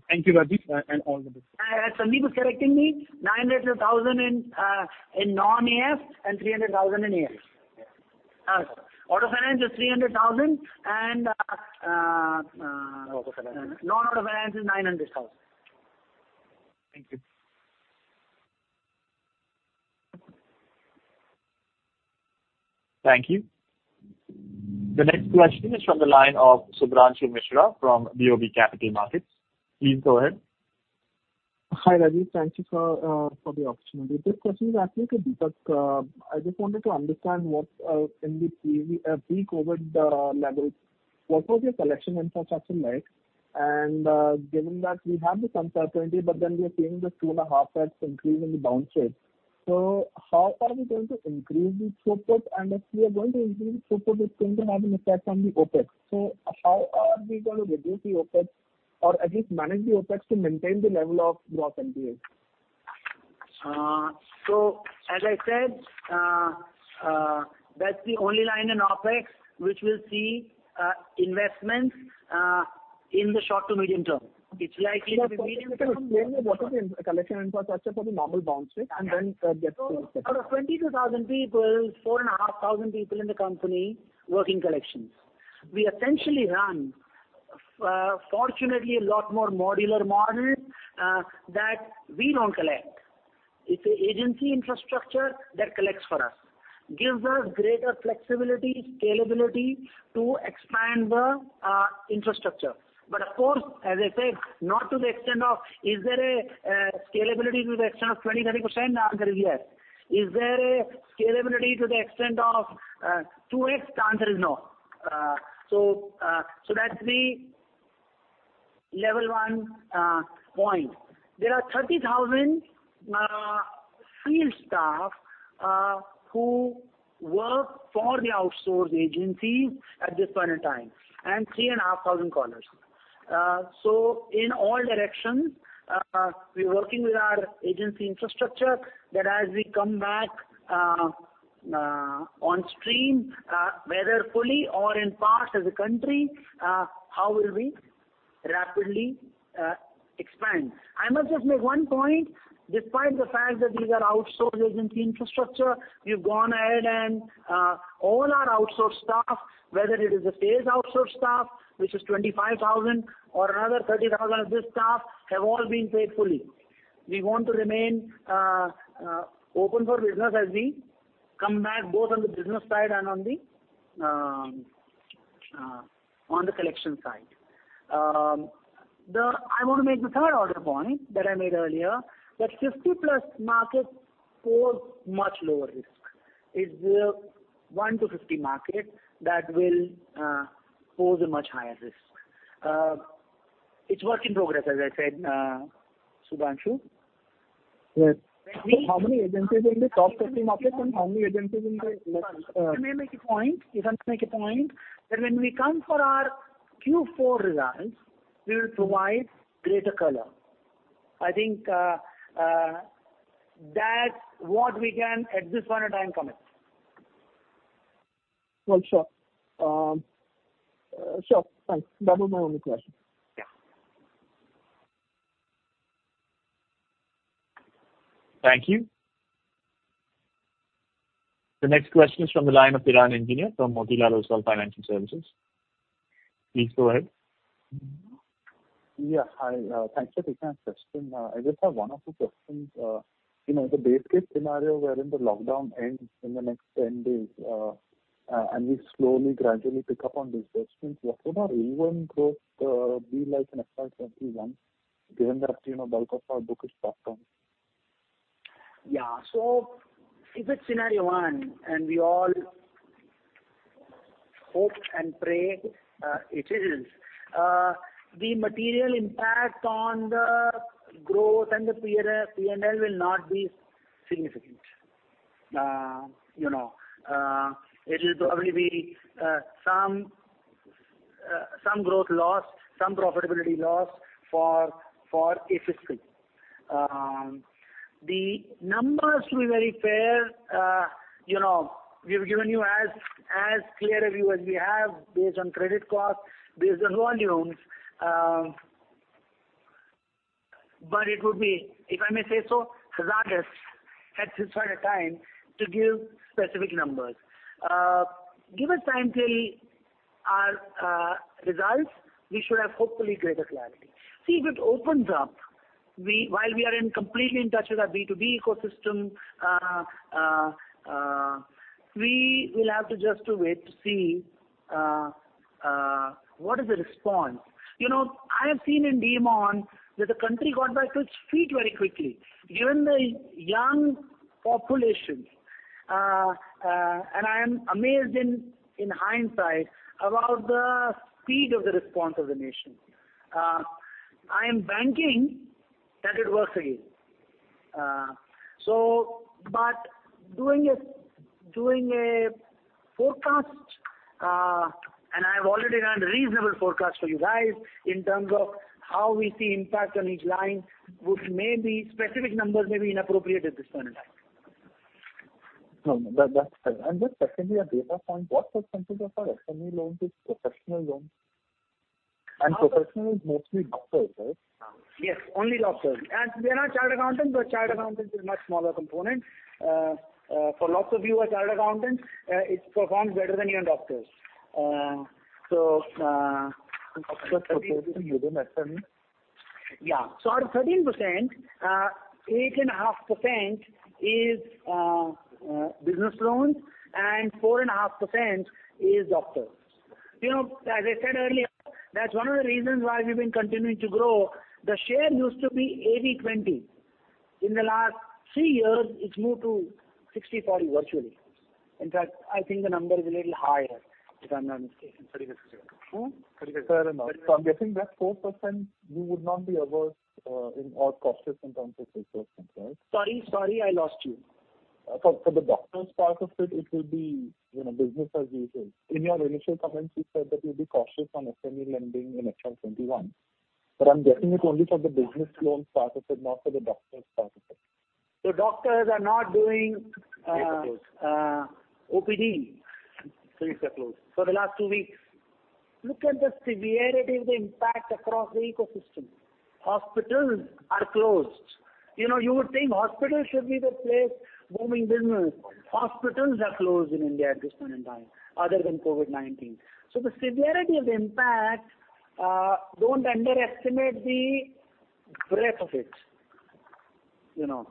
Thank you, Rajeev. All the best. Sandeep was correcting me, 900,000 in non-AF and 300,000 in AF. Auto finance is 300,000. Auto Finance. Non-Auto Finance is INR 900,000. Thank you. Thank you. The next question is from the line of Shubhranshu Mishra from BOB Capital Markets. Please go ahead. Hi, Rajeev. Thank you for the opportunity. This question is actually to Deepak. I just wanted to understand what in the pre-COVID levels, what was your collection and like? Given that we have the some certainty, but then we are seeing the 2.5% increase in the bounce rate. How are we going to increase the throughput? If we are going to increase the throughput, it's going to have an effect on the OpEx. How are we going to reduce the OpEx or at least manage the OpEx to maintain the level of gross NPA? As I said, that's the only line in OpEx which will see investments in the short to medium term. It's likely to be medium term. Can you explain what is the collection for the normal bounce rate and then get to OpEx? Out of 22,000 people, 4,500 people in the company working collections. We essentially run, fortunately, a lot more modular model that we don't collect. It's an agency infrastructure that collects for us. Gives us greater flexibility, scalability to expand the infrastructure. Of course, as I said, not to the extent of, is there a scalability to the extent of 20%-30%? The answer is yes. Is there a scalability to the extent of 2x? The answer is no. That's the level one point. There are 30,000 field staff who work for the outsourced agencies at this point in time, and 3,500 callers. In all directions, we're working with our agency infrastructure that as we come back on stream, whether fully or in part as a country, how will we rapidly expand. I must just make one point. Despite the fact that these are outsourced agency infrastructure, we've gone ahead and all our outsourced staff, whether it is a sales outsourced staff, which is 25,000, or another 30,000 of this staff, have all been paid fully. We want to remain open for business as we come back, both on the business side and on the collection side. I want to make the third order point that I made earlier, that 50+ markets pose much lower risk. It's the 1-50 market that will pose a much higher risk. It's work in progress, as I said, Shubhranshu. Right. How many agencies in the top 50 market and how many agencies in the. Let me make a point. If I may make a point, that when we come for our Q4 results, we will provide greater color. I think that's what we can, at this point in time, commit. Well, sure. Sure. Thanks. That was my only question. Yeah. Thank you. The next question is from the line of Piran Engineer from Motilal Oswal Financial Services. Please go ahead. Yeah. Hi. Thanks for taking our question. I just have one or two questions. The base case scenario wherein the lockdown ends in the next 10 days, and we slowly, gradually pick up on disbursements, what would our revenue growth be like in FY 2021, given that actually now bulk of our book is past on? Yeah. If it's scenario one, and we all hope and pray it is, the material impact on the growth and the P&L will not be significant. It'll probably be some growth loss, some profitability loss for a fiscal. The numbers, to be very fair, we've given you as clear a view as we have based on credit cost, based on volumes. It would be, if I may say so, hazardous at this point in time to give specific numbers. Give us time till our results. We should have hopefully greater clarity. If it opens up, while we are in completely in touch with our B2B ecosystem, we will have to just wait to see what is the response. I have seen in demon that the country got back to its feet very quickly given the young population. I am amazed in hindsight about the speed of the response of the nation. I am banking that it works again. Doing a forecast, and I have already done reasonable forecast for you guys in terms of how we see impact on each line, specific numbers may be inappropriate at this point in time. No, that's fine. Just secondly, a data point. What percentage of our SME loans is professional loans? Professional is mostly doctors, right? Yes, only doctors. We have chartered accountants, but chartered accountants is much smaller component. For lots of you who are chartered accountants, it performs better than even doctors. Yeah. Out of 13%, 8.5% is business loans and 4.5% is doctors. As I said earlier, that's one of the reasons why we've been continuing to grow. The share used to be 80/20. In the last three years, it's moved to 60/40 virtually. In fact, I think the number is a little higher, if I'm not mistaken. Fair enough. I'm guessing that 4% you would not be averse in or cautious in terms of resource control. Sorry, I lost you. For the doctors part of it will be business as usual. In your initial comments, you said that you'll be cautious on SME lending in FY 2021. I'm guessing it only for the business loans part of it, not for the doctors part of it. So doctors are not doing- Streets are closed. OPD. Streets are closed. For the last two weeks. Look at the severity of the impact across the ecosystem. Hospitals are closed. You would think hospitals should be the place booming business. Hospitals are closed in India at this point in time, other than COVID-19. The severity of the impact, don't underestimate the breadth of it. India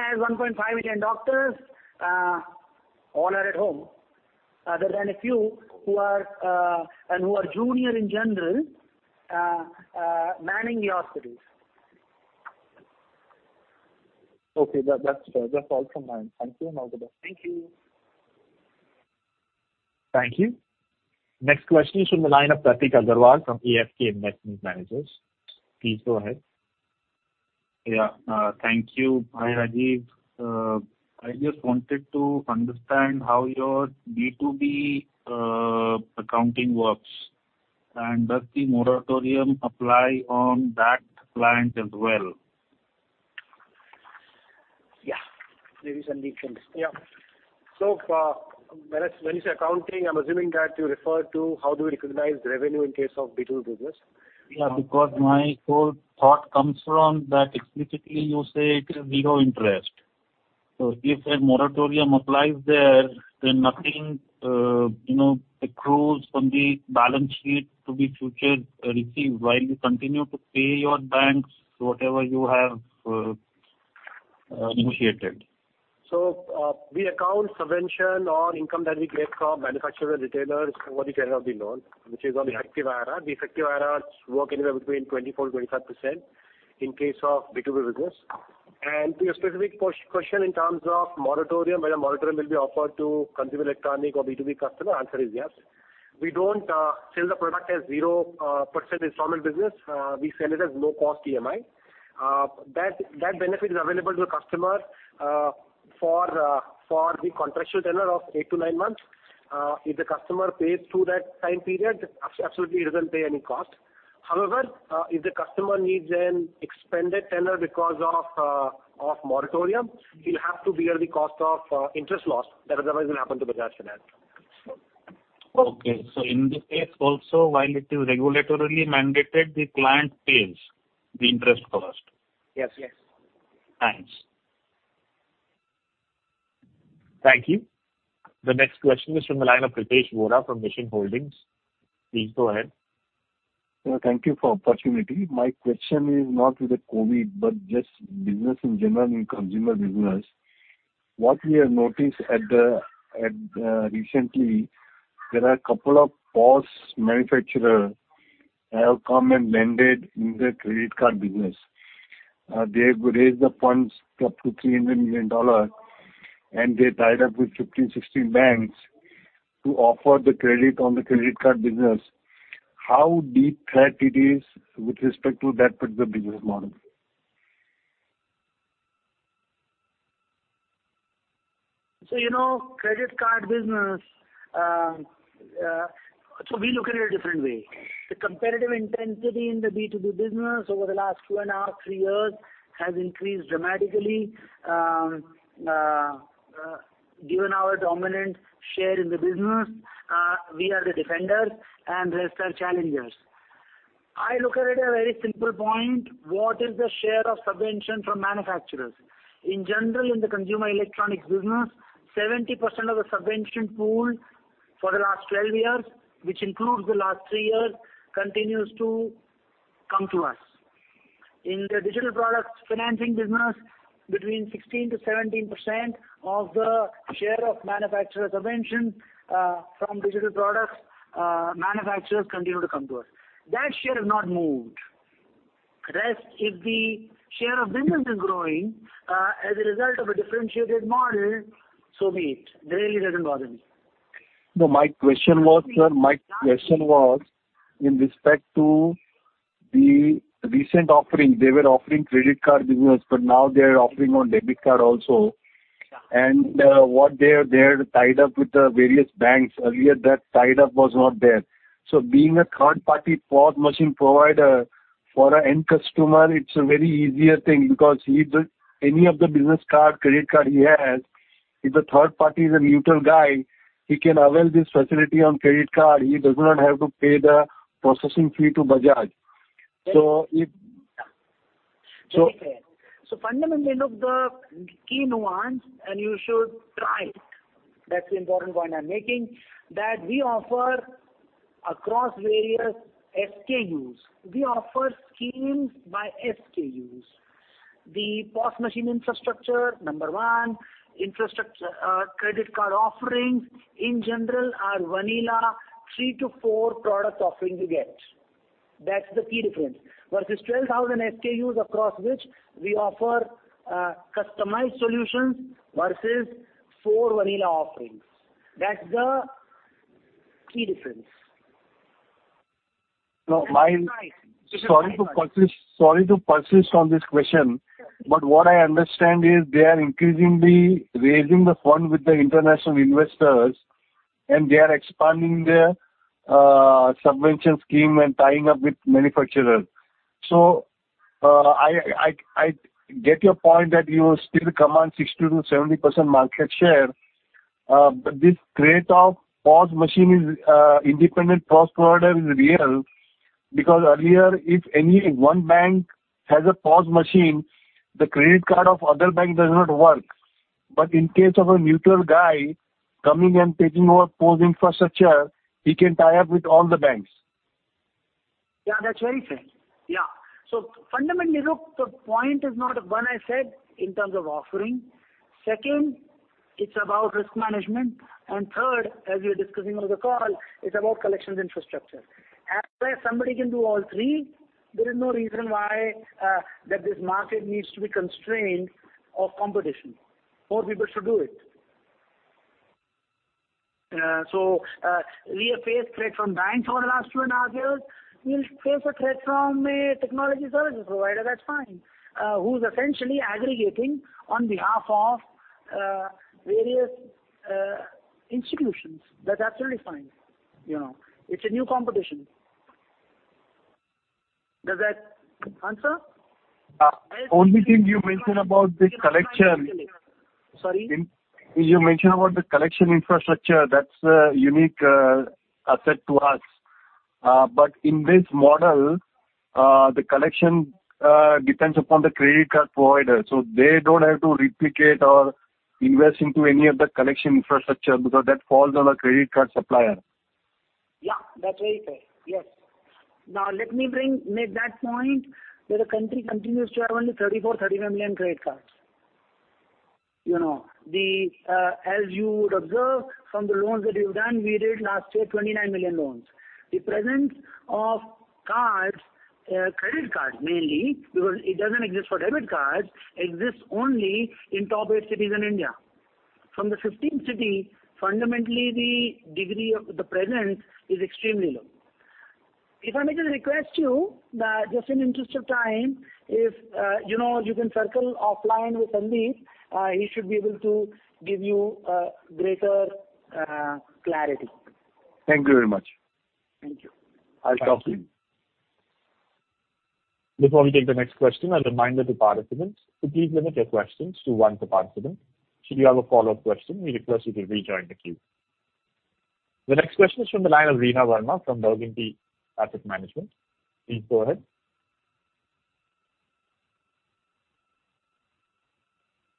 has 1.5 million doctors, all are at home, other than a few who are junior in general, manning the hospitals. Okay. That's all from my end. Thank you and all the best. Thank you. Thank you. Next question is from the line of Prateek Agrawal from ASK Investment Managers. Please go ahead. Yeah. Thank you. Hi, Rajeev. I just wanted to understand how your B2B accounting works. Does the moratorium apply on that client as well? Yeah. There is a leak in this. Yeah. When you say accounting, I'm assuming that you refer to how do we recognize revenue in case of B2B business. Because my whole thought comes from that explicitly you say it is zero interest. If a moratorium applies there, then nothing accrues from the balance sheet to be future received while you continue to pay your banks whatever you have negotiated. We account subvention or income that we get from manufacturer, retailers over the tenure of the loan, which is on the effective IRR. The effective IRRs work anywhere between 24%, 25% in case of B2B business. To your specific question in terms of moratorium, whether moratorium will be offered to consumer electronic or B2B customer, answer is yes. We don't sell the product as 0% installment business. We sell it as low-cost EMI. That benefit is available to the customer for the contractual tenure of eight to nine months. If the customer pays through that time period, absolutely he doesn't pay any cost. However, if the customer needs an extended tenure because of moratorium, he'll have to bear the cost of interest loss that otherwise will happen to Bajaj Finance. Okay. In this case also, while it is regulatorily mandated, the client pays the interest cost? Yes. Yes. Thanks. Thank you. The next question is from the line of Pritesh Vora from Mission Holdings. Please go ahead. Thank you for the opportunity. My question is not with the COVID, but just business in general in consumer business. What we have noticed recently, there are a couple of POS manufacturer have come and lended in the credit card business. They have raised the funds up to INR 300 million, and they tied up with 50, 60 banks to offer the credit on the credit card business. How deep threat it is with respect to that particular business model? Credit card business, we look at it a different way. The competitive intensity in the B2B business over the last two and a half, three years has increased dramatically. Given our dominant share in the business, we are the defenders and rest are challengers. I look at it a very simple point. What is the share of subvention from manufacturers? In general, in the consumer electronics business, 70% of the subvention pool for the last 12 years, which includes the last three years, continues to come to us. In the digital products financing business, between 16%-17% of the share of manufacturer subvention from digital products manufacturers continue to come to us. That share has not moved. Rest, if the share of business is growing, as a result of a differentiated model, so be it. It really doesn't bother me. No, my question was, in respect to the recent offering. They were offering credit card business, but now they are offering on debit card also. What they have tied up with the various banks. Earlier that tied up was not there. Being a third-party POS machine provider for an end customer, it's a very easier thing because any of the business card, credit card he has, if the third party is a neutral guy, he can avail this facility on credit card. He does not have to pay the processing fee to Bajaj. Very fair. Fundamentally, look, the key nuance, and you should try it. That's the important point I'm making, that we offer across various SKUs. We offer schemes by SKUs. The POS machine infrastructure, number one, credit card offerings in general are vanilla three to four product offering you get. That's the key difference versus 12,000 SKUs across which we offer customized solutions versus four vanilla offerings. That's the key difference. Sorry to persist on this question, what I understand is they are increasingly raising the fund with the international investors, and they are expanding their subvention scheme and tying up with manufacturers. I get your point that you still command 60%-70% market share. This threat of independent POS provider is real, because earlier, if any one bank has a POS machine, the credit card of other bank does not work. In case of a neutral guy coming and taking over POS infrastructure, he can tie up with all the banks. That's very fair. Yeah. Fundamentally, look, the point is not, one, I said in terms of offering. Second, it's about risk management. Third, as we are discussing over the call, it's about collections infrastructure. Somebody can do all three, there is no reason why that this market needs to be constrained of competition. More people should do it. We have faced threat from banks over the last two and a half years. We'll face a threat from a technology services provider, that's fine, who's essentially aggregating on behalf of various institutions. That's absolutely fine. It's a new competition. Does that answer? Only thing you mentioned about the collection. Sorry? You mentioned about the collection infrastructure, that's a unique asset to us. In this model, the collection depends upon the credit card provider. They don't have to replicate or invest into any of the collection infrastructure because that falls on a credit card supplier. Yeah, that's very fair. Yes. Now let me make that point where the country continues to have only 34 million-35 million credit cards. As you would observe from the loans that you've done, we did last year 29 million loans. The presence of cards, credit cards mainly, because it doesn't exist for debit cards, exists only in top 8 cities in India. From the 15th city, fundamentally, the degree of the presence is extremely low. If I may just request you, just in interest of time, if you can circle offline with Sandeep, he should be able to give you greater clarity. Thank you very much. Thank you. I'll talk to him. Before we take the next question, a reminder to participants to please limit your questions to one per participant. Should you have a follow-up question, we request you to rejoin the queue. The next question is from the line of Reena Verma from Burgundy Asset Management. Please go ahead.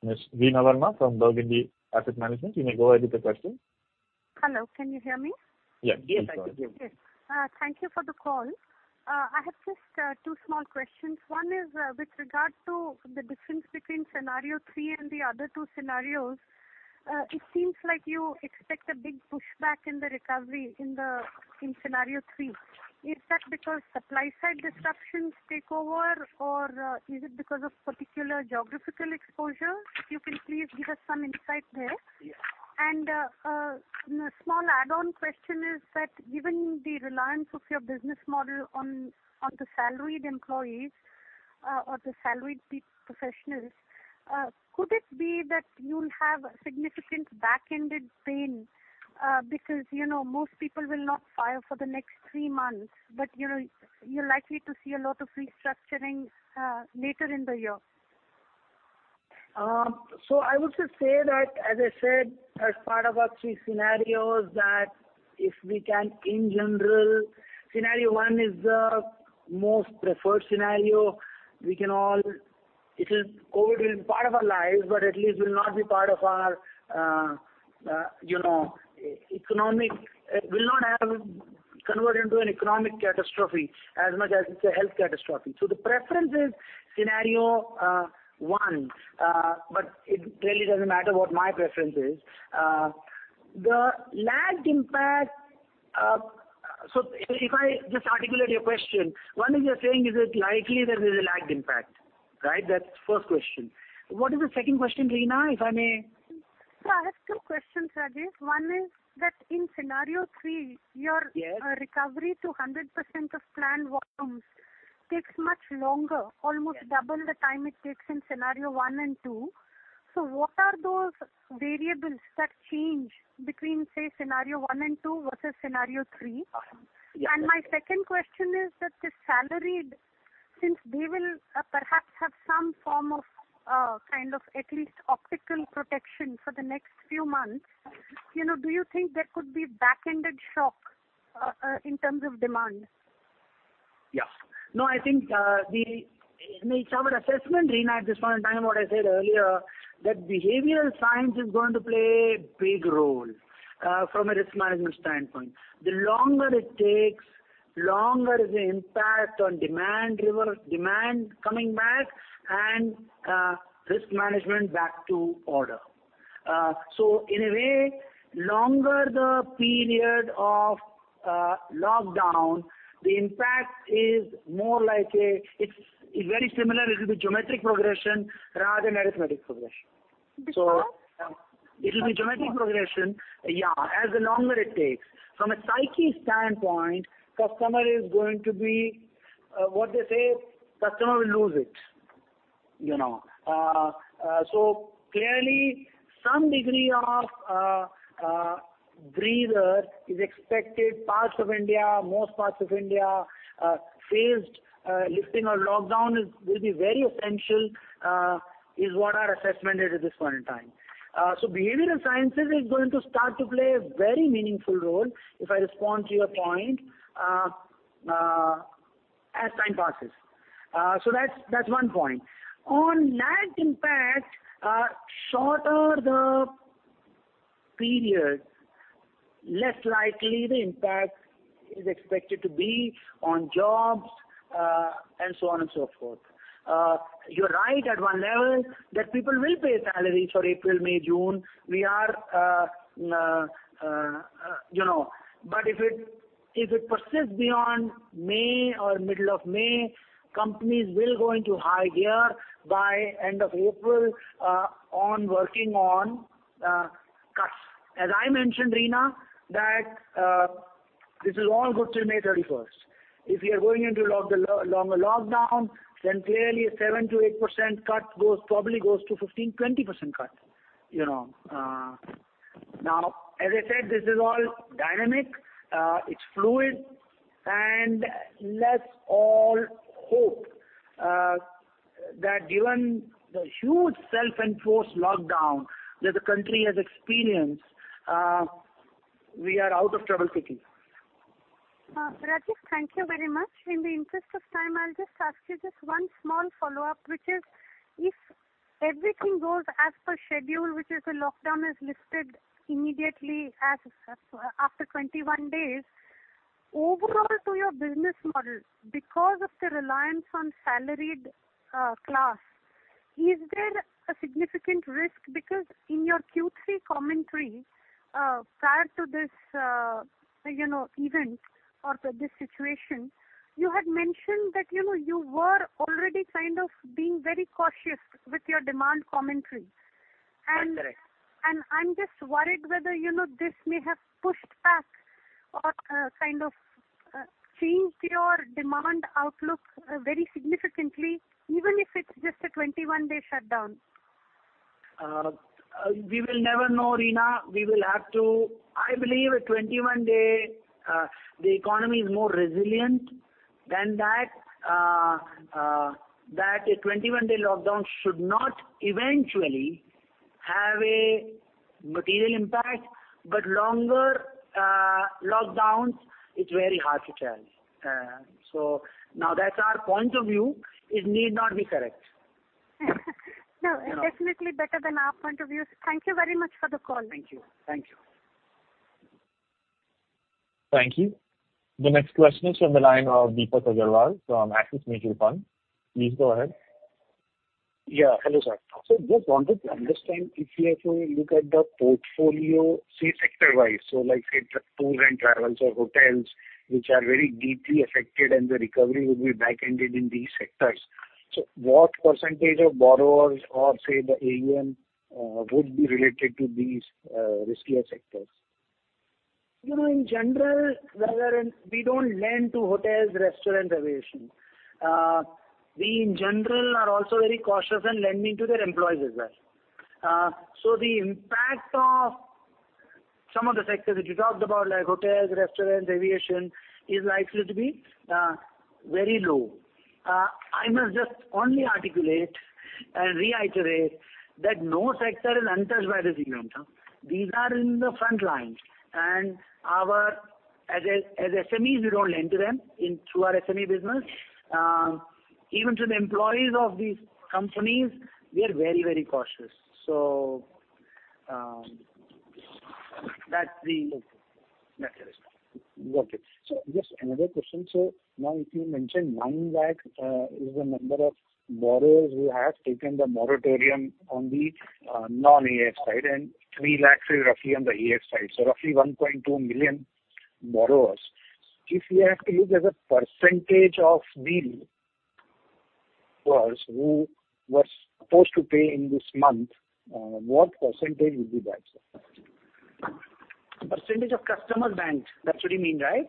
Ms. Reena Verma from Burgundy Asset Management, you may go ahead with your question. Hello, can you hear me? Yes. Thank you for the call. I have just two small questions. One is with regard to the difference between scenario three and the other two scenarios. It seems like you expect a big pushback in the recovery in scenario three. Is that because supply-side disruptions take over, or is it because of particular geographical exposure? If you can please give us some insight there. A small add-on question is that given the reliance of your business model on the salaried employees or the salaried professionals, could it be that you'll have significant back-ended pain? Because most people will not fire for the next three months, but you're likely to see a lot of restructuring later in the year. I would just say that, as I said, as part of our three scenarios, that if we can, in general, scenario one is the most preferred scenario. COVID will be part of our lives, but at least will not convert into an economic catastrophe as much as it's a health catastrophe. The preference is scenario one, but it really doesn't matter what my preference is. The lagged impact. If I just articulate your question, one is you're saying is it likely that there's a lagged impact, right? That's the first question. What is the second question, Reena, if I may? I have two questions, Rajeev. One is that in scenario three. Yes. Recovery to 100% of planned volumes takes much longer, almost double the time it takes in scenario one and two. What are those variables that change between, say, scenario one and two versus scenario three? My second question is that the salaried, since they will perhaps have some form of kind of at least optical protection for the next few months, do you think there could be back-ended shock in terms of demand? Yeah. No, I think it's our assessment, Reena, at this point in time, what I said earlier, that behavioral science is going to play a big role from a risk management standpoint. The longer it takes, longer the impact on demand coming back, and risk management back to order. So in a way, longer the period of lockdown, the impact is more like a. It's very similar. It is a geometric progression rather than arithmetic progression. Because? It will be geometric progression, yeah, as the longer it takes. From a psyche standpoint, customer is going to be, what they say, customer will lose it. Clearly, some degree of breather is expected. Parts of India, most parts of India, phased lifting of lockdown will be very essential, is what our assessment is at this point in time. Behavioral sciences is going to start to play a very meaningful role, if I respond to your point, as time passes. That's one point. On lagged impact, shorter the period, less likely the impact is expected to be on jobs, and so on and so forth. You're right at one level that people will pay salaries for April, May, June. If it persists beyond May or middle of May, companies will go into high gear by end of April on working on cuts. As I mentioned, Reena, that this is all good till May 31. If we are going into longer lockdown, then clearly a 7%-8% cut probably goes to 15%-20% cut. As I said, this is all dynamic, it's fluid, and let's all hope that given the huge self-imposed lockdown that the country has experienced, we are out of trouble quickly. Rajeev, thank you very much. In the interest of time, I'll just ask you just one small follow-up, which is, if everything goes as per schedule, which is a lockdown is lifted immediately after 21 days, overall to your business model, because of the reliance on salaried class, is there a significant risk? In your Q3 commentary, prior to this event or this situation, you had mentioned that you were already kind of being very cautious with your demand commentary. That's correct. I'm just worried whether this may have pushed back or kind of changed your demand outlook very significantly, even if it's just a 21-day shutdown. We will never know, Reena. I believe a 21-day, the economy is more resilient than that. That a 21-day lockdown should not eventually have a material impact, but longer lockdowns, it's very hard to tell. Now that's our point of view. It need not be correct. No, definitely better than our point of view. Thank you very much for the call. Thank you. Thank you. The next question is from the line of Deepak Agrawal from Axis Mutual Fund. Please go ahead. Yeah. Hello, sir. Sir, just wanted to understand if we have to look at the portfolio, say, sector-wise, so like, say, the tour and travels or hotels, which are very deeply affected and the recovery would be back ended in these sectors. What percentage of borrowers or, say, the AUM would be related to these riskier sectors? In general, we don't lend to hotels, restaurant, aviation. We, in general, are also very cautious in lending to their employees as well. The impact of some of the sectors that you talked about, like hotels, restaurants, aviation, is likely to be very low. I must just only articulate and reiterate that no sector is untouched by this event. These are in the front lines. As SMEs, we don't lend to them through our SME business. Even to the employees of these companies, we are very cautious. That's the best way to respond. Got it. Just another question. Now if you mention 1 lakh is the number of borrowers who have taken the moratorium on the non-AF side and 3 lakh is roughly on the AF side. Roughly 1.2 million borrowers. If you have to look as a percentage of billers who were supposed to pay in this month, what percentage would be that, sir? Percentage of customers banked, that's what you mean, right?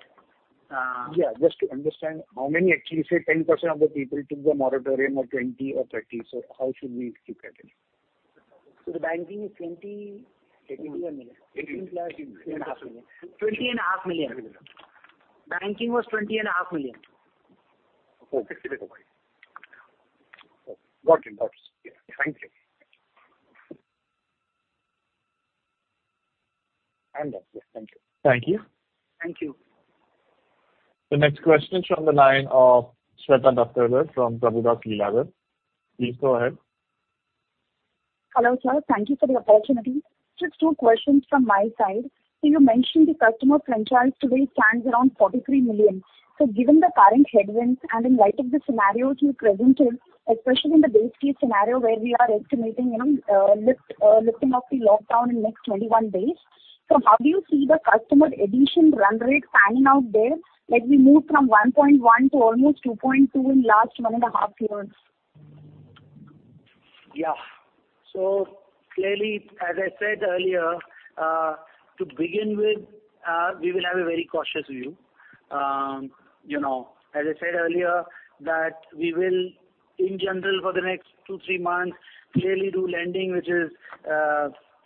Yeah, just to understand how many actually, say 10% of the people took the moratorium or 20% or 30%? How should we keep at it? The banking is 20. 20.5 million. 20.5 million. Banking was 20.5 million. Okay. Got it. Thank you. I'm done. Yes, thank you. Thank you. Thank you. The next question is from the line of Shweta Daptardar from Prabhudas Lilladher. Please go ahead. Hello, sir. Thank you for the opportunity. Just two questions from my side. You mentioned the customer franchise today stands around 43 million. Given the current headwinds and in light of the scenarios you presented, especially in the base case scenario where we are estimating lifting of the lockdown in next 21 days. How do you see the customer addition run rate panning out there? Like we moved from 1.1 to almost 2.2 in last one and a half years. Yeah. Clearly, as I said earlier, to begin with, we will have a very cautious view. As I said earlier, that we will in general for the next two, three months clearly do lending, which is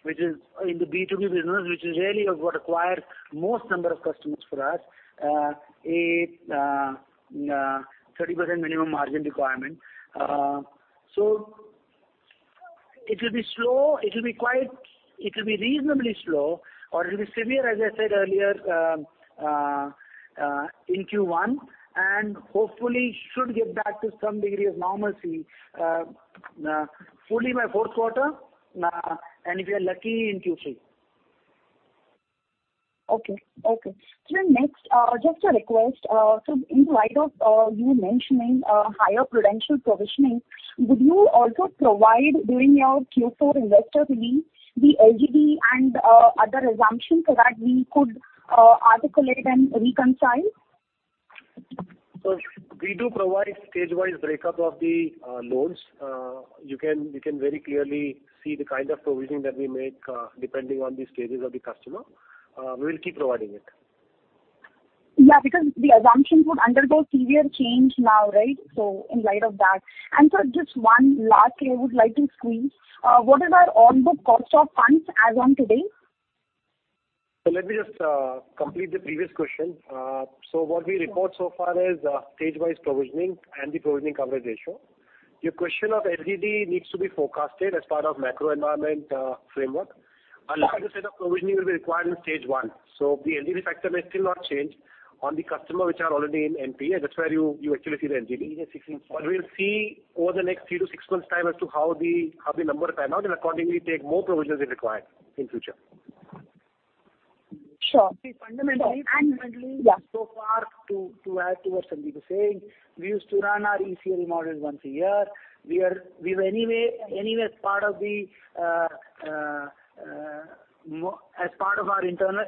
in the B2B business, which is really what acquired most number of customers for us, a 30% minimum margin requirement. It will be reasonably slow or it will be severe, as I said earlier, in Q1, and hopefully should get back to some degree of normalcy fully by fourth quarter, and if we are lucky in Q3. Okay. Sir, next, just a request. In light of you mentioning higher prudential provisioning, would you also provide during your Q4 investor release the LGD and other assumptions so that we could articulate and reconcile? We do provide stage-wise breakup of the loans. You can very clearly see the kind of provisioning that we make depending on the stages of the customer. We will keep providing it. Yeah, because the assumptions would undergo severe change now, right? In light of that. Sir, just one last thing I would like to squeeze. What about on the cost of funds as on today? Let me just complete the previous question. What we report so far is stage-wise provisioning and the provisioning coverage ratio. Your question of LGD needs to be forecasted as part of macro environment framework. A larger set of provisioning will be required in stage one. The LGD factor may still not change on the customer which are already in NPA. That's where you actually see the LGD. We'll see over the next three to six months time as to how the numbers are. Now, accordingly take more provisions if required in future. Sure. Fundamentally, so far, to add to what Sandeep is saying, we used to run our ECL model once a year. We were anyway as part of our internal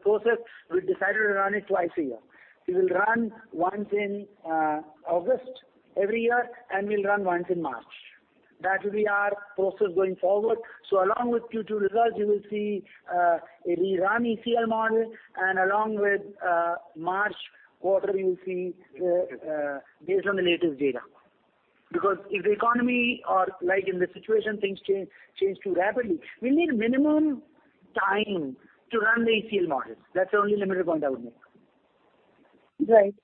process, we decided to run it twice a year. We will run once in August every year, and we'll run once in March. That will be our process going forward. Along with Q2 results, you will see a re-run ECL model, and along with March quarter you will see based on the latest data. Because if the economy or like in this situation, things change too rapidly, we need minimum time to run the ECL model. That's the only limited point I would make. Right.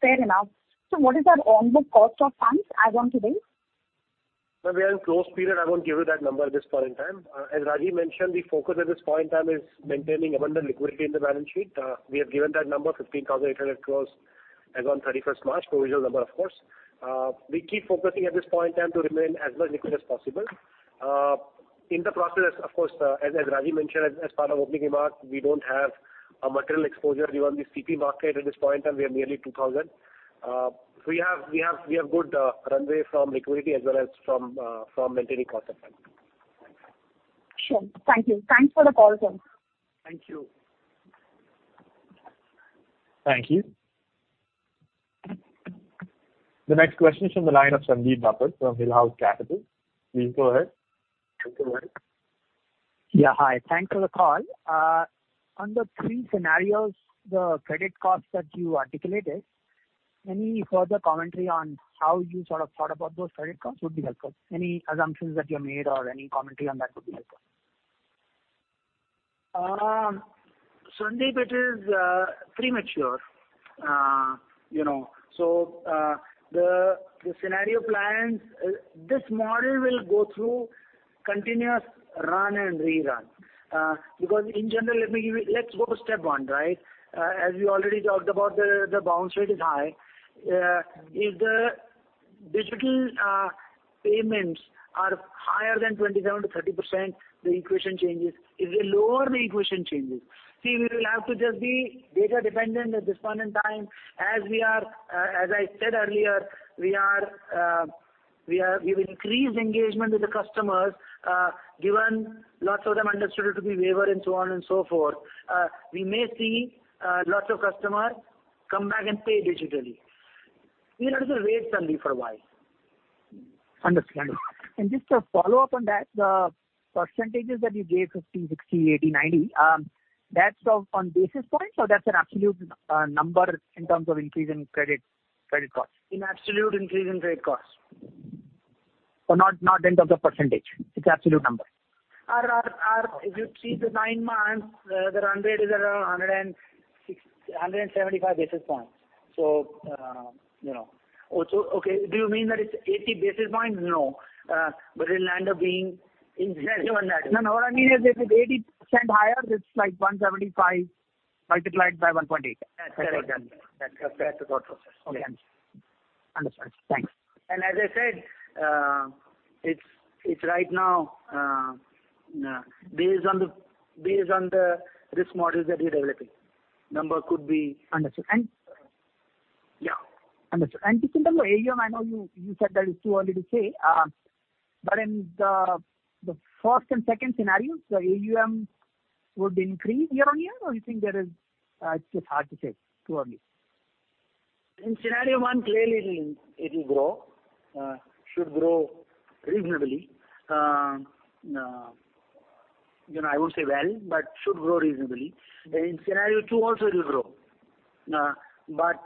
Fair enough. What is our on the cost of funds as on today? Ma'am, we are in close period. I won't give you that number at this point in time. As Rajeev mentioned, the focus at this point in time is maintaining abundant liquidity in the balance sheet. We have given that number 15,800 crores as on 31st March, provisional number of course. We keep focusing at this point in time to remain as much liquid as possible. In the process, of course, as Rajeev mentioned as part of opening remark, we don't have a material exposure given the CP market at this point in time. We are nearly 2,000. We have good runway from liquidity as well as from maintaining cost of funds. Sure. Thank you. Thanks for the call, sir. Thank you. Thank you. The next question is from the line of Sandeep Chandak from Hillhouse Capital. Please go ahead. Yeah. Hi. Thanks for the call. On the three scenarios, the credit costs that you articulated, any further commentary on how you sort of thought about those credit costs would be helpful. Any assumptions that you made or any commentary on that would be helpful. Sandeep, it is premature. The scenario plans, this model will go through continuous run and rerun because in general, let's go to step one, right? As we already talked about the bounce rate is high. If the digital payments are higher than 27%-30%, the equation changes. If they lower, the equation changes. We will have to just be data dependent at this point in time. As I said earlier, we will increase engagement with the customers given lots of them understood it to be waiver and so on and so forth. We may see lots of customers come back and pay digitally. We'll have to wait, Sandeep, for a while. Understand. Just to follow up on that, the percentage that you gave 50, 60, 80, 90, that's on basis points or that's an absolute number in terms of increase in credit cost? In absolute increase in credit cost. Not in terms of percentage, it's absolute number. If you see the nine months, the run rate is around 175 basis points. Okay. Do you mean that it's 80 basis points? No. It'll end up being even that. No, what I mean is if it's 80% higher, it's like 175 multiplied by 1.8. That's correct. Okay. Understood. Thanks. As I said, it's right now based on the risk models that we're developing. Number could be- Understood. Yeah. Understood. Just in terms of AUM, I know you said that it's too early to say. In the first and second scenarios, the AUM would increase year on year, or you think that it's just hard to say, too early? In scenario one, clearly it will grow. Should grow reasonably. I won't say well, but should grow reasonably. In scenario two also it will grow, but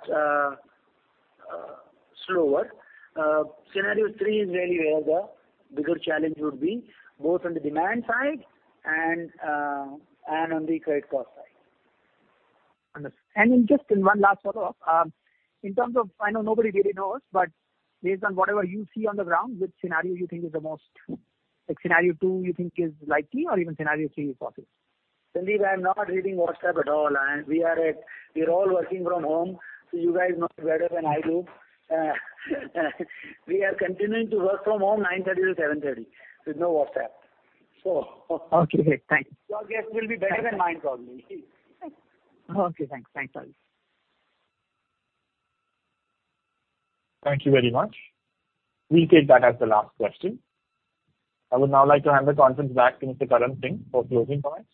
slower. Scenario three is really where the bigger challenge would be, both on the demand side and on the credit cost side. Understood. Just one last follow-up. I know nobody really knows, but based on whatever you see on the ground, which scenario you think is Scenario 2, or even Scenario 3 is possible? Sandeep, I'm not reading WhatsApp at all. We are all working from home, so you guys know it better than I do. We are continuing to work from home 9:30 A.M. to 7:30 P.M. with no WhatsApp. Okay, great. Thanks. Your guess will be better than mine probably. Okay, thanks. Thank you very much. We'll take that as the last question. I would now like to hand the conference back to Mr. Karan Singh for closing comments.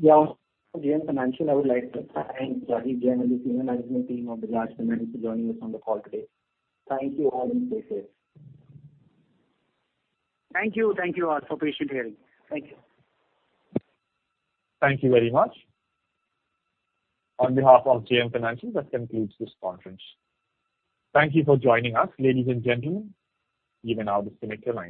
Yeah. From JM Financial, I would like to thank Rajeev Jain and the senior management team of Bajaj Finance for joining us on the call today. Thank you all and stay safe. Thank you. Thank you all for patient hearing. Thank you. Thank you very much. On behalf of JM Financial, that concludes this conference. Thank you for joining us, ladies and gentlemen. You may now disconnect your lines.